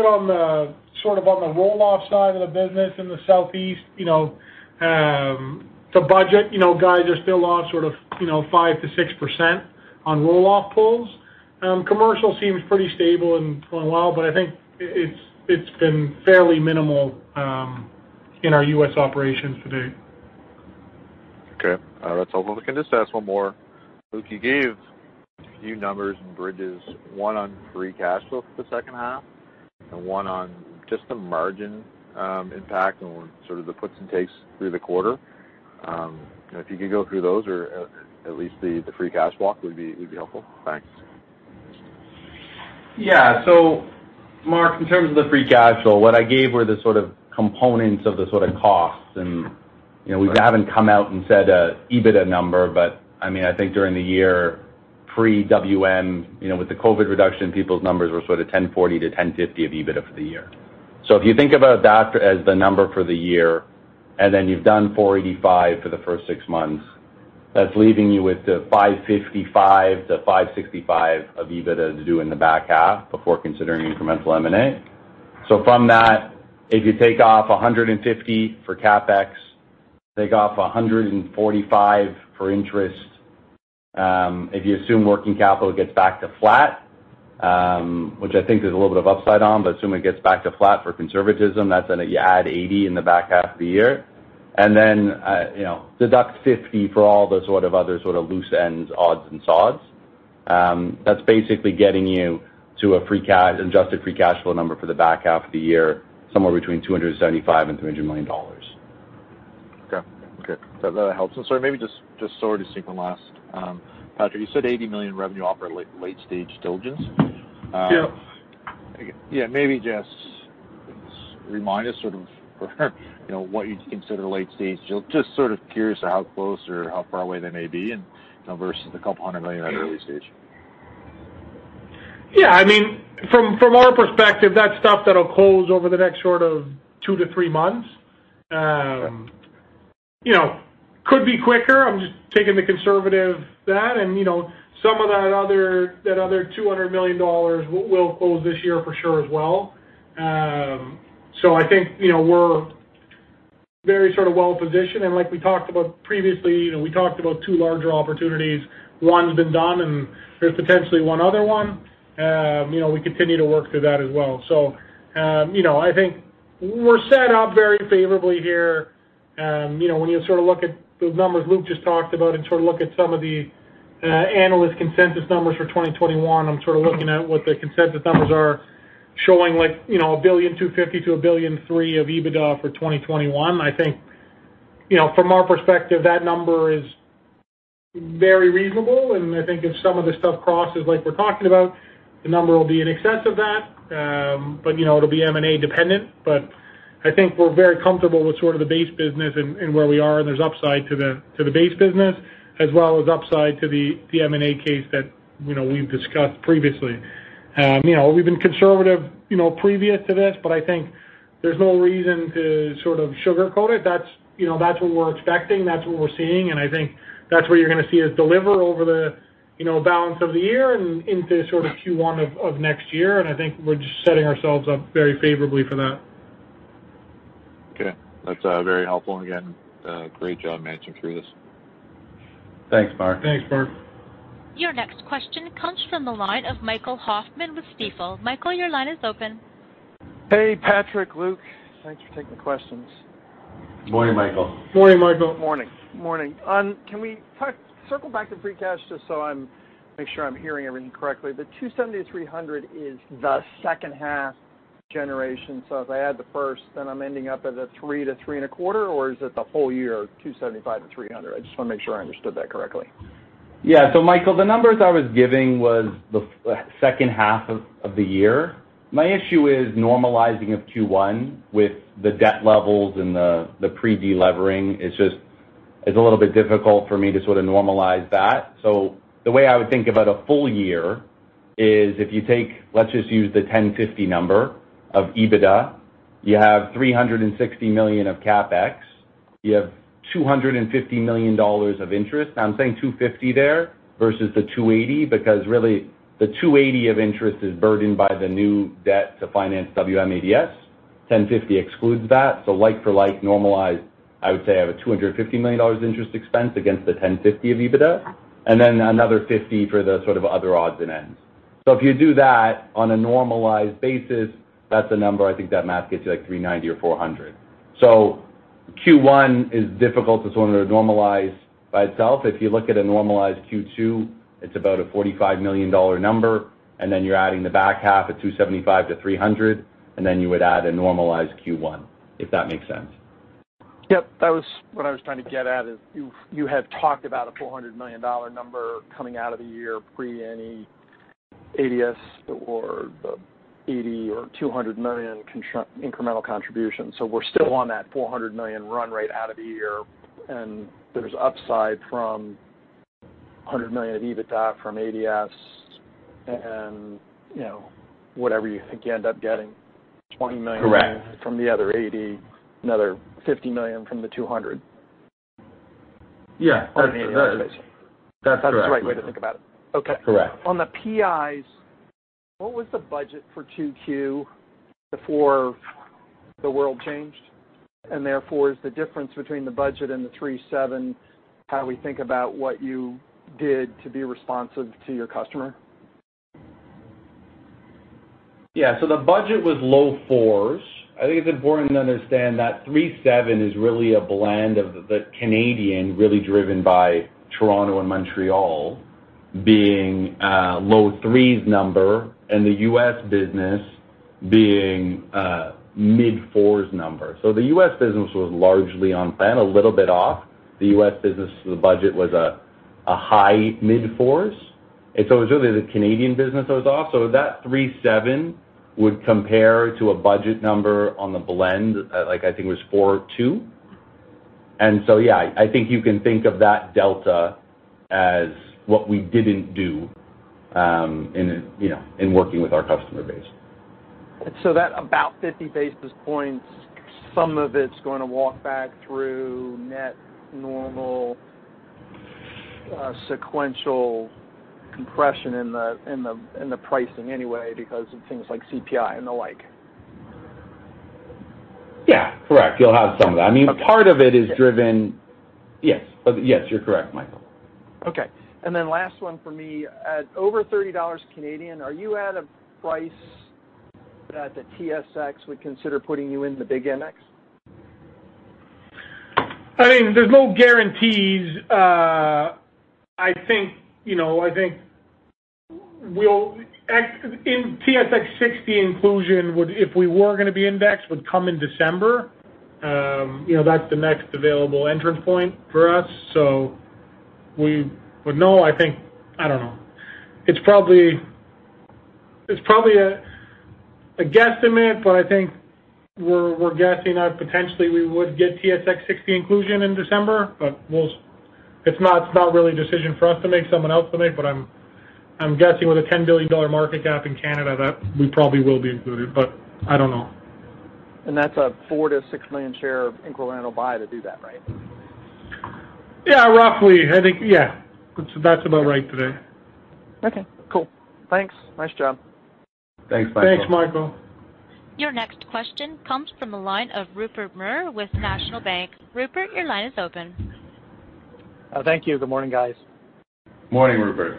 on the roll-off side of the business in the Southeast. To budget, guys are still off sort of 5%-6% on roll-off pulls. Commercial seems pretty stable and going well, but I think it's been fairly minimal in our U.S. operations to date. Okay. That's helpful. If I can just ask one more. Luke, you gave a few numbers and bridges, one on free cash flow for the second half and one on just the margin impact and sort of the puts and takes through the quarter. If you could go through those or at least the free cash walk would be helpful. Thanks. Mark, in terms of the free cash flow, what I gave were the sort of components of the sort of costs, and we haven't come out and said an EBITDA number, but I think during the year, pre-WM, with the COVID reduction, people's numbers were sort of 1.040 billion-1.050 billion of EBITDA for the year. If you think about that as the number for the year, and then you've done 485 million for the first six months, that's leaving you with the 555 million-565 million of EBITDA to do in the back half before considering incremental M&A. From that, if you take off 150 million for CapEx, take off 145 million for interest, if you assume working capital gets back to flat, which I think there's a little bit of upside on, but assume it gets back to flat for conservatism, that's then you add 80 million in the back half of the year. Then deduct 50 million for all the sort of other sort of loose ends, odds and sods. That's basically getting you to an adjusted free cash flow number for the back half of the year, somewhere between 275 million-300 million dollars. Okay. That helps. Sorry, maybe just sort of sequencing last. Patrick, you said 80 million revenue of late-stage diligence. Yep. Yeah, maybe just remind us sort of what you'd consider late stage? Just sort of curious how close or how far away they may be and versus the 200 million on early stage. Yeah, from our perspective, that's stuff that'll close over the next sort of two to three months. Okay. Could be quicker. I'm just taking the conservative that, Some of that other 200 million dollars will close this year for sure as well. I think we're very sort of well-positioned. Like we talked about previously, we talked about two larger opportunities. One's been done, There's potentially one other one. We continue to work through that as well. I think we're set up very favorably here. When you sort of look at those numbers Luke just talked about sort of look at some of the analyst consensus numbers for 2021, I'm sort of looking at what the consensus numbers are showing like, 1.25 billion-1.3 billion of EBITDA for 2021. I think from our perspective, that number is very reasonable, I think if some of the stuff crosses like we're talking about, the number will be in excess of that. It'll be M&A dependent, but I think we're very comfortable with sort of the base business and where we are, and there's upside to the base business as well as upside to the M&A case that we've discussed previously. We've been conservative previous to this, but I think there's no reason to sort of sugarcoat it. That's what we're expecting. That's what we're seeing. I think that's what you're going to see us deliver over the balance of the year and into sort of Q1 of next year. I think we're just setting ourselves up very favorably for that. Okay. That's very helpful, and again, great job managing through this. Thanks, Mark. Thanks, Mark. Your next question comes from the line of Michael Hoffman with Stifel. Michael, your line is open. Hey, Patrick, Luke. Thanks for taking the questions. Morning, Michael. Morning, Michael. Morning. Can we circle back to free cash just so I make sure I'm hearing everything correctly? The 270 million-300 million is the second half generation. If I add the first, then I'm ending up at a three, three and a quarter, or is it the whole year, 275 million-300 million? I just want to make sure I understood that correctly. Yeah. Michael, the numbers I was giving was the second half of the year. My issue is normalizing of Q1 with the debt levels and the pre-delevering. It's a little bit difficult for me to sort of normalize that. The way I would think about a full year is if you take, let's just use the 1.050 billion number of EBITDA, you have 360 million of CapEx, you have 250 million dollars of interest. Now I'm saying 250 million there versus the 280 million because really the 280 million of interest is burdened by the new debt to finance WM/ADS, 1.050 billion excludes that. Like for like normalized, I would say I have a 250 million dollars interest expense against the 1.050 billion of EBITDA, and then another 50 million for the sort of other odds and ends. If you do that on a normalized basis, that's a number I think that math gets you like 390 million or 400 million. Q1 is difficult to sort of normalize by itself. If you look at a normalized Q2, it's about a 45 million dollar number, and then you're adding the back half at 275 million-300 million, and then you would add a normalized Q1, if that makes sense. Yep. That was what I was trying to get at is you had talked about a 400 million dollar number coming out of the year pre any ADS or 80 million or 200 million incremental contribution. We're still on that 400 million run right out of the year, and there's upside from 100 million of EBITDA from ADS and whatever you think you end up getting. Correct from the other 80 million, another 50 million from the 200 million. Yeah. That's it. On the ADS basis. That's correct. That's the right way to think about it. Okay. Correct. On the PIs, what was the budget for 2Q before the world changed? Therefore, is the difference between the budget and the 3.7% how we think about what you did to be responsive to your customer? The budget was low-4%. I think it's important to understand that 3.7% is really a blend of the Canadian really driven by Toronto and Montreal being a low-3% number, and the U.S. business being a mid-4% number. The U.S. business was largely on plan, a little bit off. The U.S. business, the budget was a high mid-4%. It was really the Canadian business that was off. That 3.7% would compare to a budget number on the blend, like I think it was 4.2%. Yeah, I think you can think of that delta as what we didn't do in working with our customer base. That about 50 basis points, some of it's going to walk back through net normal sequential compression in the pricing anyway because of things like CPI and the like. Yeah. Correct. You'll have some of that. Okay. I mean, Yes, you're correct, Michael. Okay. Last one for me. At over 30 Canadian dollars, are you at a price that the TSX would consider putting you in the big index? I mean, there's no guarantees. I think in TSX 60 inclusion, if we were going to be indexed, would come in December. That's the next available entrance point for us. We would know, I think. I don't know. It's probably a guesstimate, but I think we're guessing that potentially we would get TSX 60 inclusion in December. It's not really a decision for us to make, someone else to make, but I'm guessing with a 10 billion dollar market cap in Canada that we probably will be included. I don't know. That's a 4 million-6 million share equivalent buy to do that, right? Yeah. Roughly. I think, yeah. That's about right today. Okay, cool. Thanks. Nice job. Thanks, Michael. Thanks, Michael. Your next question comes from the line of Rupert Merer with National Bank. Rupert, your line is open. Thank you. Good morning, guys. Morning, Rupert.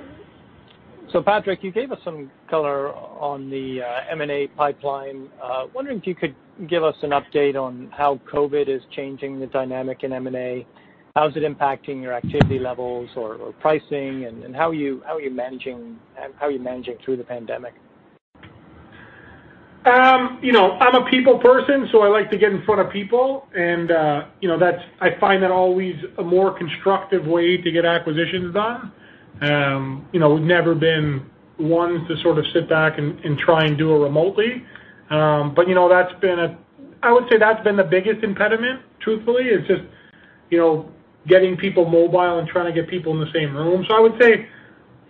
Patrick, you gave us some color on the M&A pipeline. Wondering if you could give us an update on how COVID is changing the dynamic in M&A. How is it impacting your activity levels or pricing, and how are you managing through the pandemic? I'm a people person, so I like to get in front of people and, I find that always a more constructive way to get acquisitions done. We've never been one to sort of sit back and try and do it remotely. I would say that's been the biggest impediment, truthfully, is just getting people mobile and trying to get people in the same room. I would say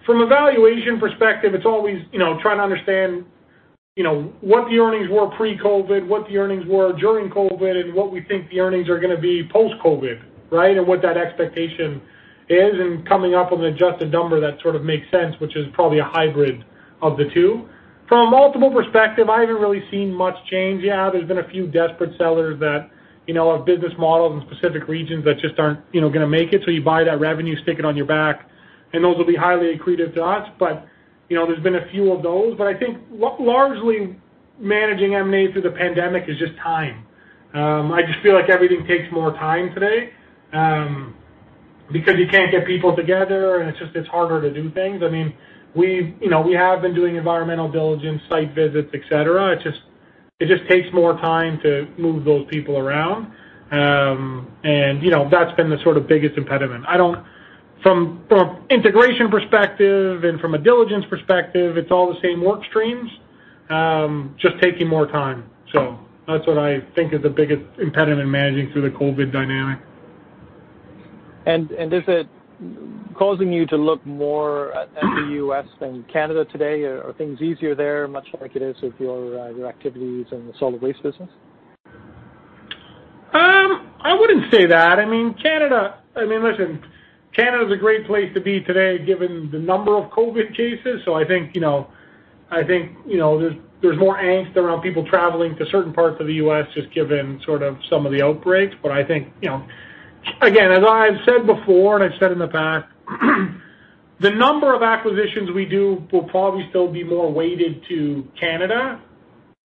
from a valuation perspective, it's always trying to understand what the earnings were pre-COVID, what the earnings were during COVID, and what we think the earnings are going to be post-COVID, right? What that expectation is, and coming up with an adjusted number that sort of makes sense, which is probably a hybrid of the two. From a multiple perspective, I haven't really seen much change. There's been a few desperate sellers that are business models in specific regions that just aren't going to make it, you buy that revenue, stick it on your back, and those will be highly accretive to us. There's been a few of those, I think largely managing M&A through the pandemic is just time. I just feel like everything takes more time today, because you can't get people together and it's just harder to do things. We have been doing environmental diligence, site visits, et cetera. It just takes more time to move those people around. That's been the sort of biggest impediment. From integration perspective and from a diligence perspective, it's all the same work streams, just taking more time. That's what I think is the biggest impediment in managing through the COVID dynamic. Is it causing you to look more at the U.S. than Canada today? Are things easier there, much like it is with your activities in the solid waste business? I wouldn't say that. Listen, Canada is a great place to be today given the number of COVID cases, so I think there's more angst around people traveling to certain parts of the U.S. just given sort of some of the outbreaks. I think, again, as I've said before and I've said in the past, the number of acquisitions we do will probably still be more weighted to Canada,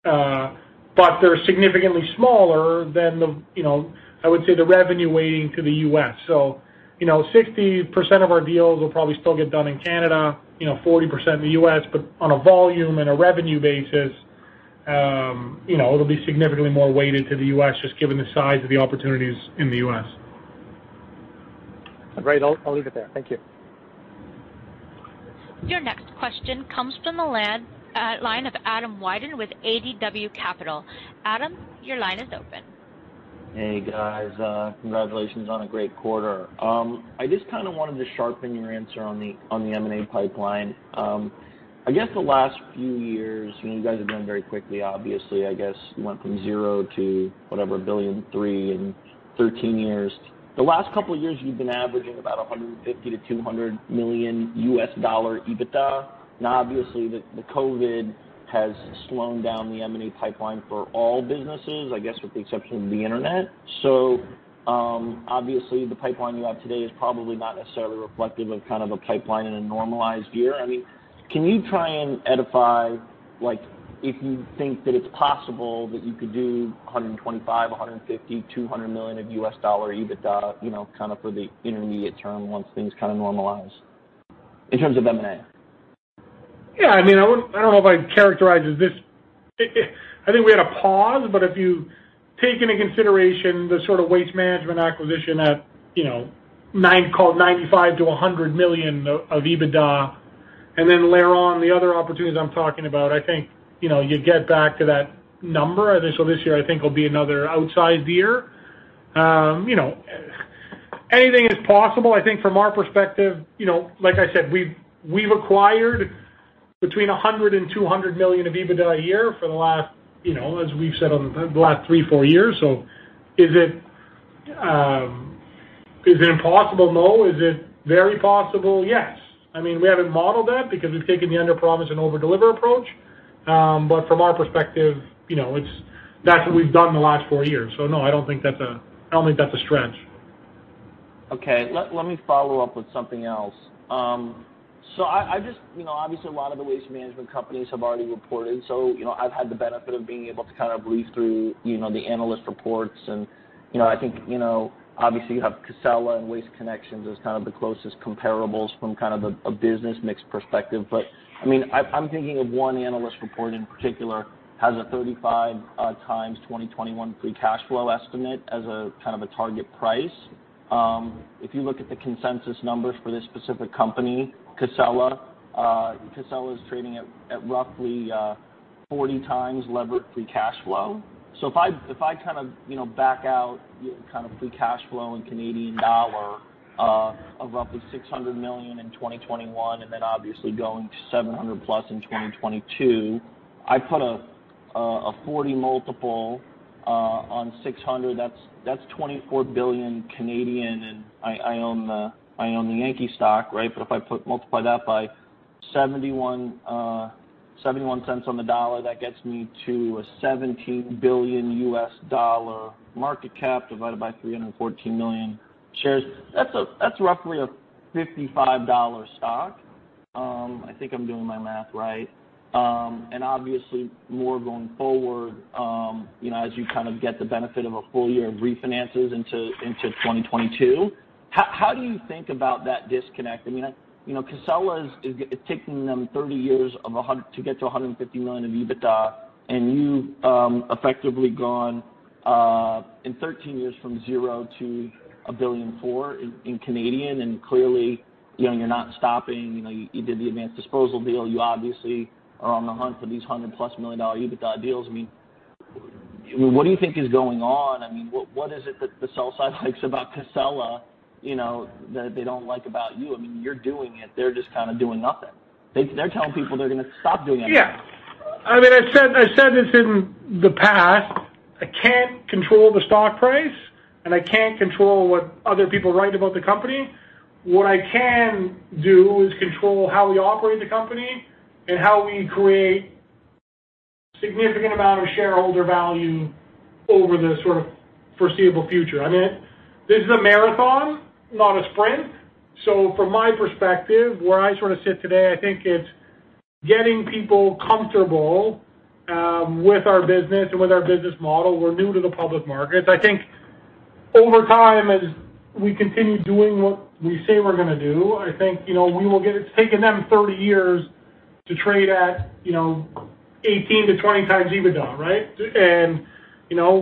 but they're significantly smaller than, I would say, the revenue weighting to the U.S. 60% of our deals will probably still get done in Canada, 40% in the U.S., but on a volume and a revenue basis, it'll be significantly more weighted to the U.S. just given the size of the opportunities in the U.S. Great. I'll leave it there. Thank you. Your next question comes from the line of Adam Wyden with ADW Capital. Adam, your line is open. Hey, guys. Congratulations on a great quarter. I just wanted to sharpen your answer on the M&A pipeline. The last few years, you guys have grown very quickly obviously. You went from zero to whatever 3 billion in 13 years. The last couple of years, you've been averaging about $150 million-$200 million EBITDA. Obviously the COVID has slowed down the M&A pipeline for all businesses, with the exception of the Internet. Obviously the pipeline you have today is probably not necessarily reflective of a pipeline in a normalized year. Can you try and edify if you think that it's possible that you could do $125 million, $150 million, $200 million of EBITDA, for the intermediate term once things normalize, in terms of M&A? Yeah. I don't know if I'd characterize it as this. I think we had a pause, but if you take into consideration the sort of Waste Management acquisition at call it 95 million-100 million of EBITDA, then layer on the other opportunities I'm talking about, I think you'd get back to that number. This year I think will be another outsized year. Anything is possible. I think from our perspective, like I said, we've acquired between 100 million and 200 million of EBITDA a year for the last, as we've said, the last three, four years. Is it impossible? No. Is it very possible? Yes. We haven't modeled that because we've taken the under promise and over deliver approach. From our perspective, that's what we've done in the last four years. No, I don't think that's a stretch. Okay. Let me follow up with something else. Obviously, a lot of the waste management companies have already reported. I've had the benefit of being able to kind of read through the analyst reports, and I think obviously you have Casella and Waste Connections as kind of the closest comparables from kind of a business mix perspective. I'm thinking of one analyst report in particular, has a 35x 2021 free cash flow estimate as a kind of a target price. If you look at the consensus numbers for this specific company, Casella is trading at roughly 40x levered free cash flow. If I back out free cash flow in Canadian dollar of roughly 600 million in 2021, then obviously going to 700+ million in 2022, I put a 40x multiple on 600 million, that's 24 billion, I own the Yankee stock, right? If I multiply that by $0.71 cents on the dollar, that gets me to a $17 billion market cap divided by 314 million shares. That's roughly a $55 stock. I think I'm doing my math right. Obviously more going forward, as you get the benefit of a full year of refinances into 2022. How do you think about that disconnect? Casella, it's taking them 30 years to get to 150 million of EBITDA, you've effectively gone in 13 years from zero to 1.4 billion, clearly you're not stopping. You did the Advanced Disposal deal. You obviously are on the hunt for these 100+ million dollar EBITDA deals. What do you think is going on? What is it that the sell side likes about Casella that they don't like about you? You're doing it. They're just kind of doing nothing. They're telling people they're gonna stop doing M&A. I said this in the past. I can't control the stock price, and I can't control what other people write about the company. What I can do is control how we operate the company and how we create significant amount of shareholder value over the foreseeable future. This is a marathon, not a sprint. From my perspective, where I sit today, I think it's getting people comfortable with our business and with our business model. We're new to the public markets. I think over time, as we continue doing what we say we're going to do, we will get it. It's taken them 30 years to trade at 18x-20x EBITDA, right?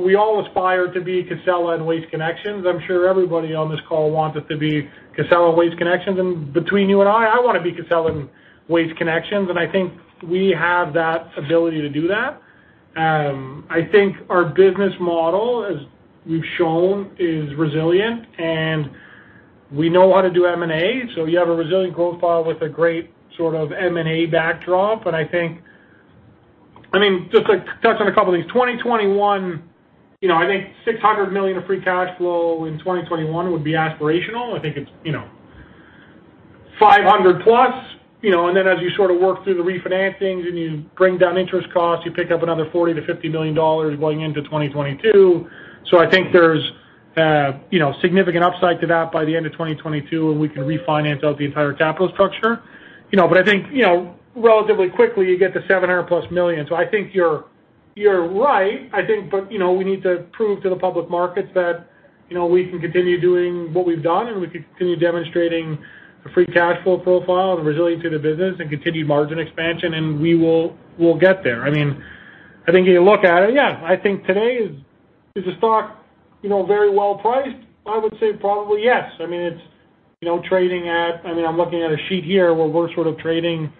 We all aspire to be Casella and Waste Connections. I'm sure everybody on this call wants us to be Casella and Waste Connections. Between you and I want to be Casella and Waste Connections, and I think we have that ability to do that. I think our business model, as we've shown, is resilient, and we know how to do M&A. You have a resilient growth profile with a great M&A backdrop. I think, just to touch on a couple of these, 2021, I think 600 million of free cash flow in 2021 would be aspirational. I think it's 500+ million. As you work through the refinancings and you bring down interest costs, you pick up another 40 million-50 million dollars going into 2022. I think there's significant upside to that by the end of 2022, where we can refinance out the entire capital structure. I think, relatively quickly, you get to 700+ million. I think you're right. I think, we need to prove to the public markets that we can continue doing what we've done, and we continue demonstrating a free cash flow profile and the resiliency of the business and continued margin expansion, and we'll get there. I think if you look at it, yeah, I think today is the stock very well priced? I would say probably yes. It's trading at, I'm looking at a sheet here where we're trading,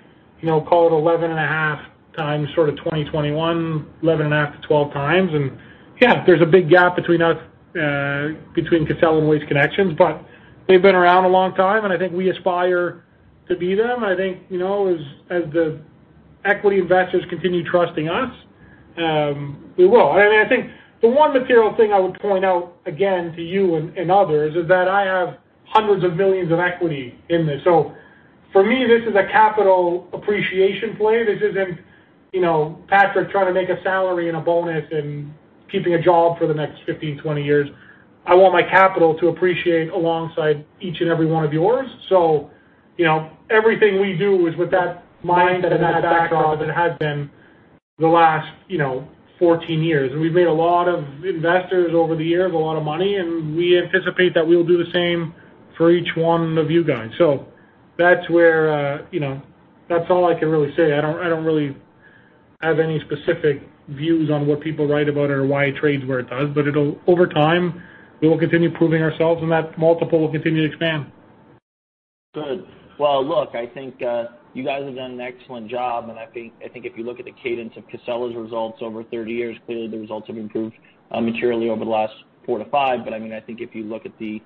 call it 11.5x sort of 2021, 11.5x-12x. Yeah, there's a big gap between us, between Casella and Waste Connections, but they've been around a long time, and I think we aspire to be them. I think, as the equity investors continue trusting us, we will. I think the one material thing I would point out again to you and others is that I have hundreds of millions of equity in this. For me, this is a capital appreciation play. This isn't Patrick trying to make a salary and a bonus and keeping a job for the next 15, 20 years. I want my capital to appreciate alongside each and every one of yours. Everything we do is with that mindset and that backdrop as it has been the last 14 years. We've made a lot of investors over the years a lot of money, and we anticipate that we'll do the same for each one of you guys. That's all I can really say. I don't really have any specific views on what people write about or why it trades where it does, but over time, we will continue proving ourselves, and that multiple will continue to expand. Good. Well, look, I think, you guys have done an excellent job, and I think if you look at the cadence of Casella's results over 30 years, clearly the results have improved materially over the last four to five. I think if you look at the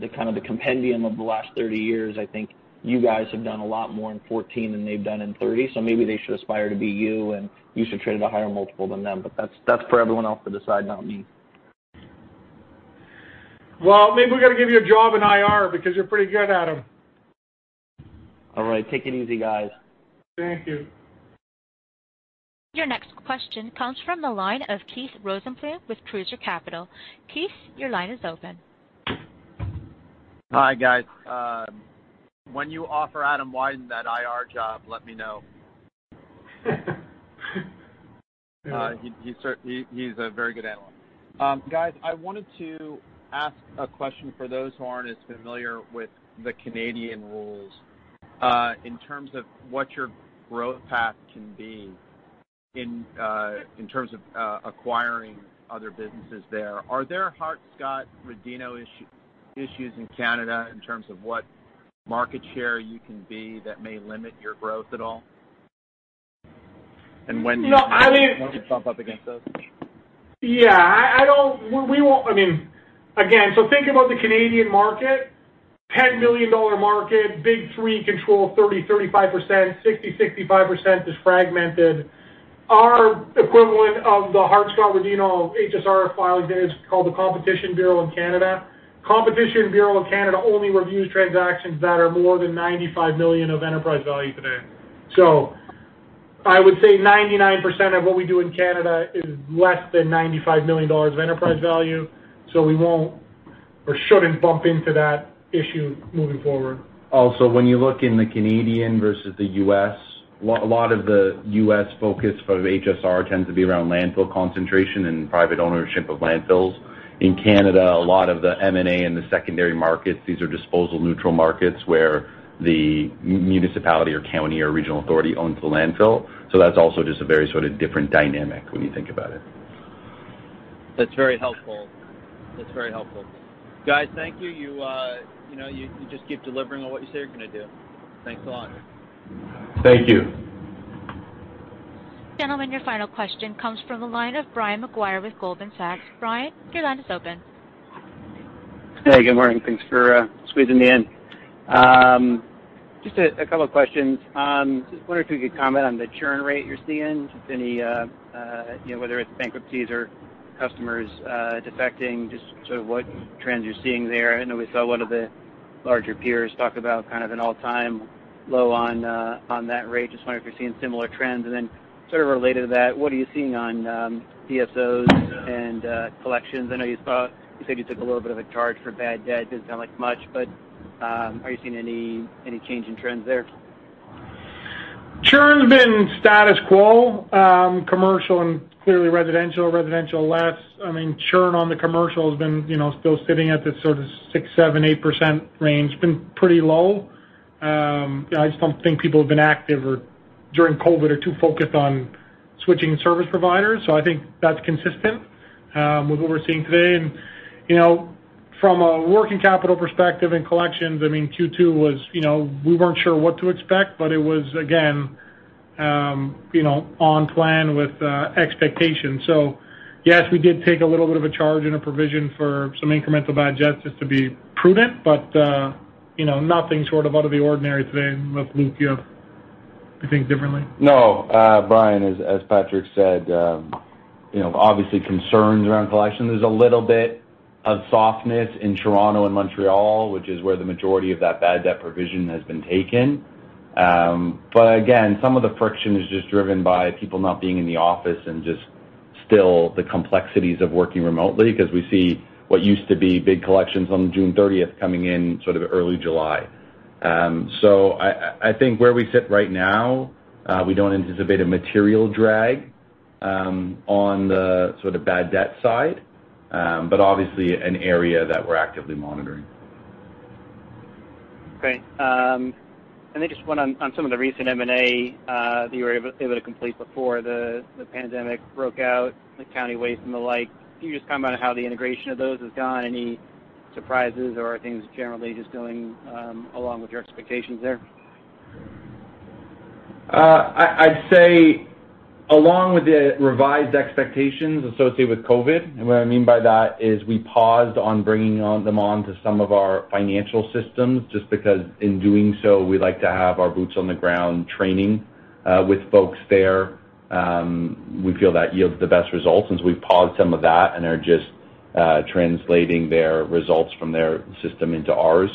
compendium of the last 30 years, I think you guys have done a lot more in 14 than they've done in 30. Maybe they should aspire to be you, and you should trade at a higher multiple than them. That's for everyone else to decide, not me. Well, maybe we got to give you a job in IR because you're pretty good at them. All right. Take it easy, guys. Thank you. Your next question comes from the line of Keith Rosenbloom with Cruiser Capital. Keith, your line is open. Hi, guys. When you offer Adam Wyden that IR job, let me know. He's a very good analyst. Guys, I wanted to ask a question for those who aren't as familiar with the Canadian rules. In terms of what your growth path can be in terms of acquiring other businesses there, are there Hart-Scott-Rodino issues in Canada in terms of what market share you can be that may limit your growth at all? I mean- might we bump up against those? Yeah. Again, think about the Canadian market, 10 million dollar market, big three control 30%, 35%, 60%, 65% is fragmented. Our equivalent of the Hart-Scott-Rodino, HSR filing is called the Competition Bureau in Canada. Competition Bureau of Canada only reviews transactions that are more than 95 million of enterprise value today. I would say 99% of what we do in Canada is less than 95 million dollars of enterprise value, we won't or shouldn't bump into that issue moving forward. When you look in the Canadian versus the U.S., a lot of the U.S. focus of HSR tends to be around landfill concentration and private ownership of landfills. In Canada, a lot of the M&A and the secondary markets, these are disposal neutral markets where the municipality or county or regional authority owns the landfill. That's also just a very sort of different dynamic when you think about it. That is very helpful. Guys, thank you. You just keep delivering on what you say you are going to do. Thanks a lot. Thank you. Gentlemen, your final question comes from the line of Brian Maguire with Goldman Sachs. Brian, your line is open. Hey, good morning. Thanks for squeezing me in. Just a couple of questions. Wonder if you could comment on the churn rate you're seeing, whether it's bankruptcies or customers defecting, just sort of what trends you're seeing there. I know we saw one of the larger peers talk about an all-time low on that rate. Wonder if you're seeing similar trends. Sort of related to that, what are you seeing on DSOs and collections? I know you said you took a little bit of a charge for bad debt. Doesn't sound like much, are you seeing any change in trends there? Churn's been status quo, commercial and clearly residential less. Churn on the commercial has been still sitting at this sort of 6%, 7%, 8% range. Been pretty low. I just don't think people have been active or, during COVID, are too focused on switching service providers. I think that's consistent with what we're seeing today. From a working capital perspective in collections, Q2, we weren't sure what to expect, but it was again, on plan with expectations. Yes, we did take a little bit of a charge and a provision for some incremental bad debts just to be prudent, but nothing short of out of the ordinary today. Unless Luke, you think differently? Brian, as Patrick said, obviously concerns around collection. There's a little bit of softness in Toronto and Montreal, which is where the majority of that bad debt provision has been taken. Again, some of the friction is just driven by people not being in the office and just still the complexities of working remotely, because we see what used to be big collections on June 30th coming in early July. I think where we sit right now, we don't anticipate a material drag on the bad debt side. Obviously, an area that we're actively monitoring. Okay. Just one on some of the recent M&A that you were able to complete before the pandemic broke out, the County Waste and the like. Can you just comment on how the integration of those has gone? Any surprises or are things generally just going along with your expectations there? I'd say along with the revised expectations associated with COVID, and what I mean by that is we paused on bringing them on to some of our financial systems, just because in doing so, we like to have our boots on the ground training with folks there. We feel that yields the best results, since we've paused some of that and are just translating their results from their system into ours.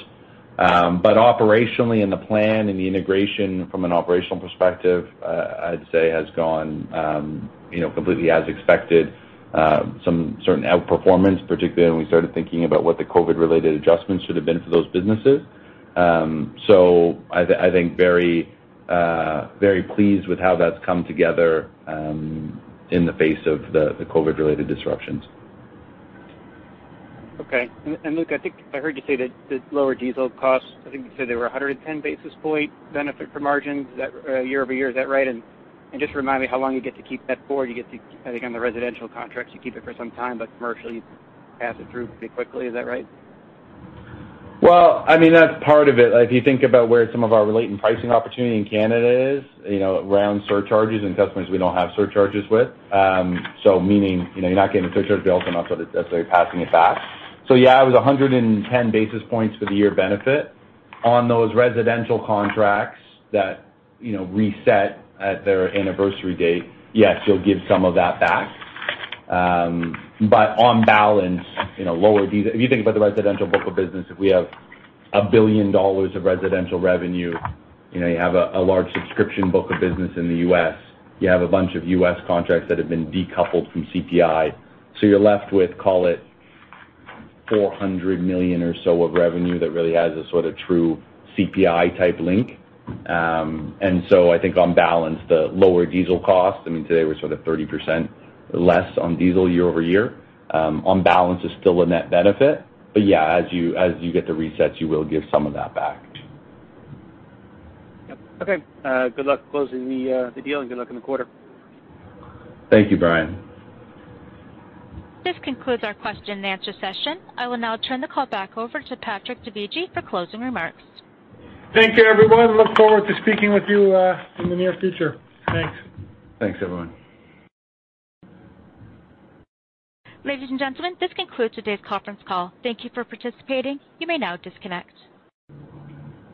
Operationally, in the plan and the integration from an operational perspective, I'd say has gone completely as expected. Some certain outperformance, particularly when we started thinking about what the COVID-related adjustments should have been for those businesses. I think very pleased with how that's come together in the face of the COVID-related disruptions. Okay. Luke, I think I heard you say that the lower diesel costs, I think you said they were 110 basis point benefit for margins year-over-year. Is that right? Just remind me how long you get to keep that forward. I think on the residential contracts, you keep it for some time, but commercially, you pass it through pretty quickly. Is that right? Well, that's part of it. If you think about where some of our latent pricing opportunity in Canada is, around surcharges and customers we don't have surcharges with. Meaning, you're not getting the surcharge built enough, so that's why you're passing it back. Yeah, it was 110 basis points for the year benefit. On those residential contracts that reset at their anniversary date, yes, you'll give some of that back. On balance, if you think about the residential book of business, if we have 1 billion dollars of residential revenue, you have a large subscription book of business in the U.S., you have a bunch of U.S. contracts that have been decoupled from CPI. You're left with, call it 400 million or so of revenue that really has a sort of true CPI-type link. I think on balance, the lower diesel cost, today we're sort of 30% less on diesel year-over-year, on balance is still a net benefit. Yeah, as you get the resets, you will give some of that back. Yep. Okay. Good luck closing the deal, and good luck in the quarter. Thank you, Brian. This concludes our question and answer session. I will now turn the call back over to Patrick Dovigi for closing remarks. Thank you, everyone. Look forward to speaking with you in the near future. Thanks. Thanks, everyone. Ladies and gentlemen, this concludes today's conference call. Thank you for participating. You may now disconnect.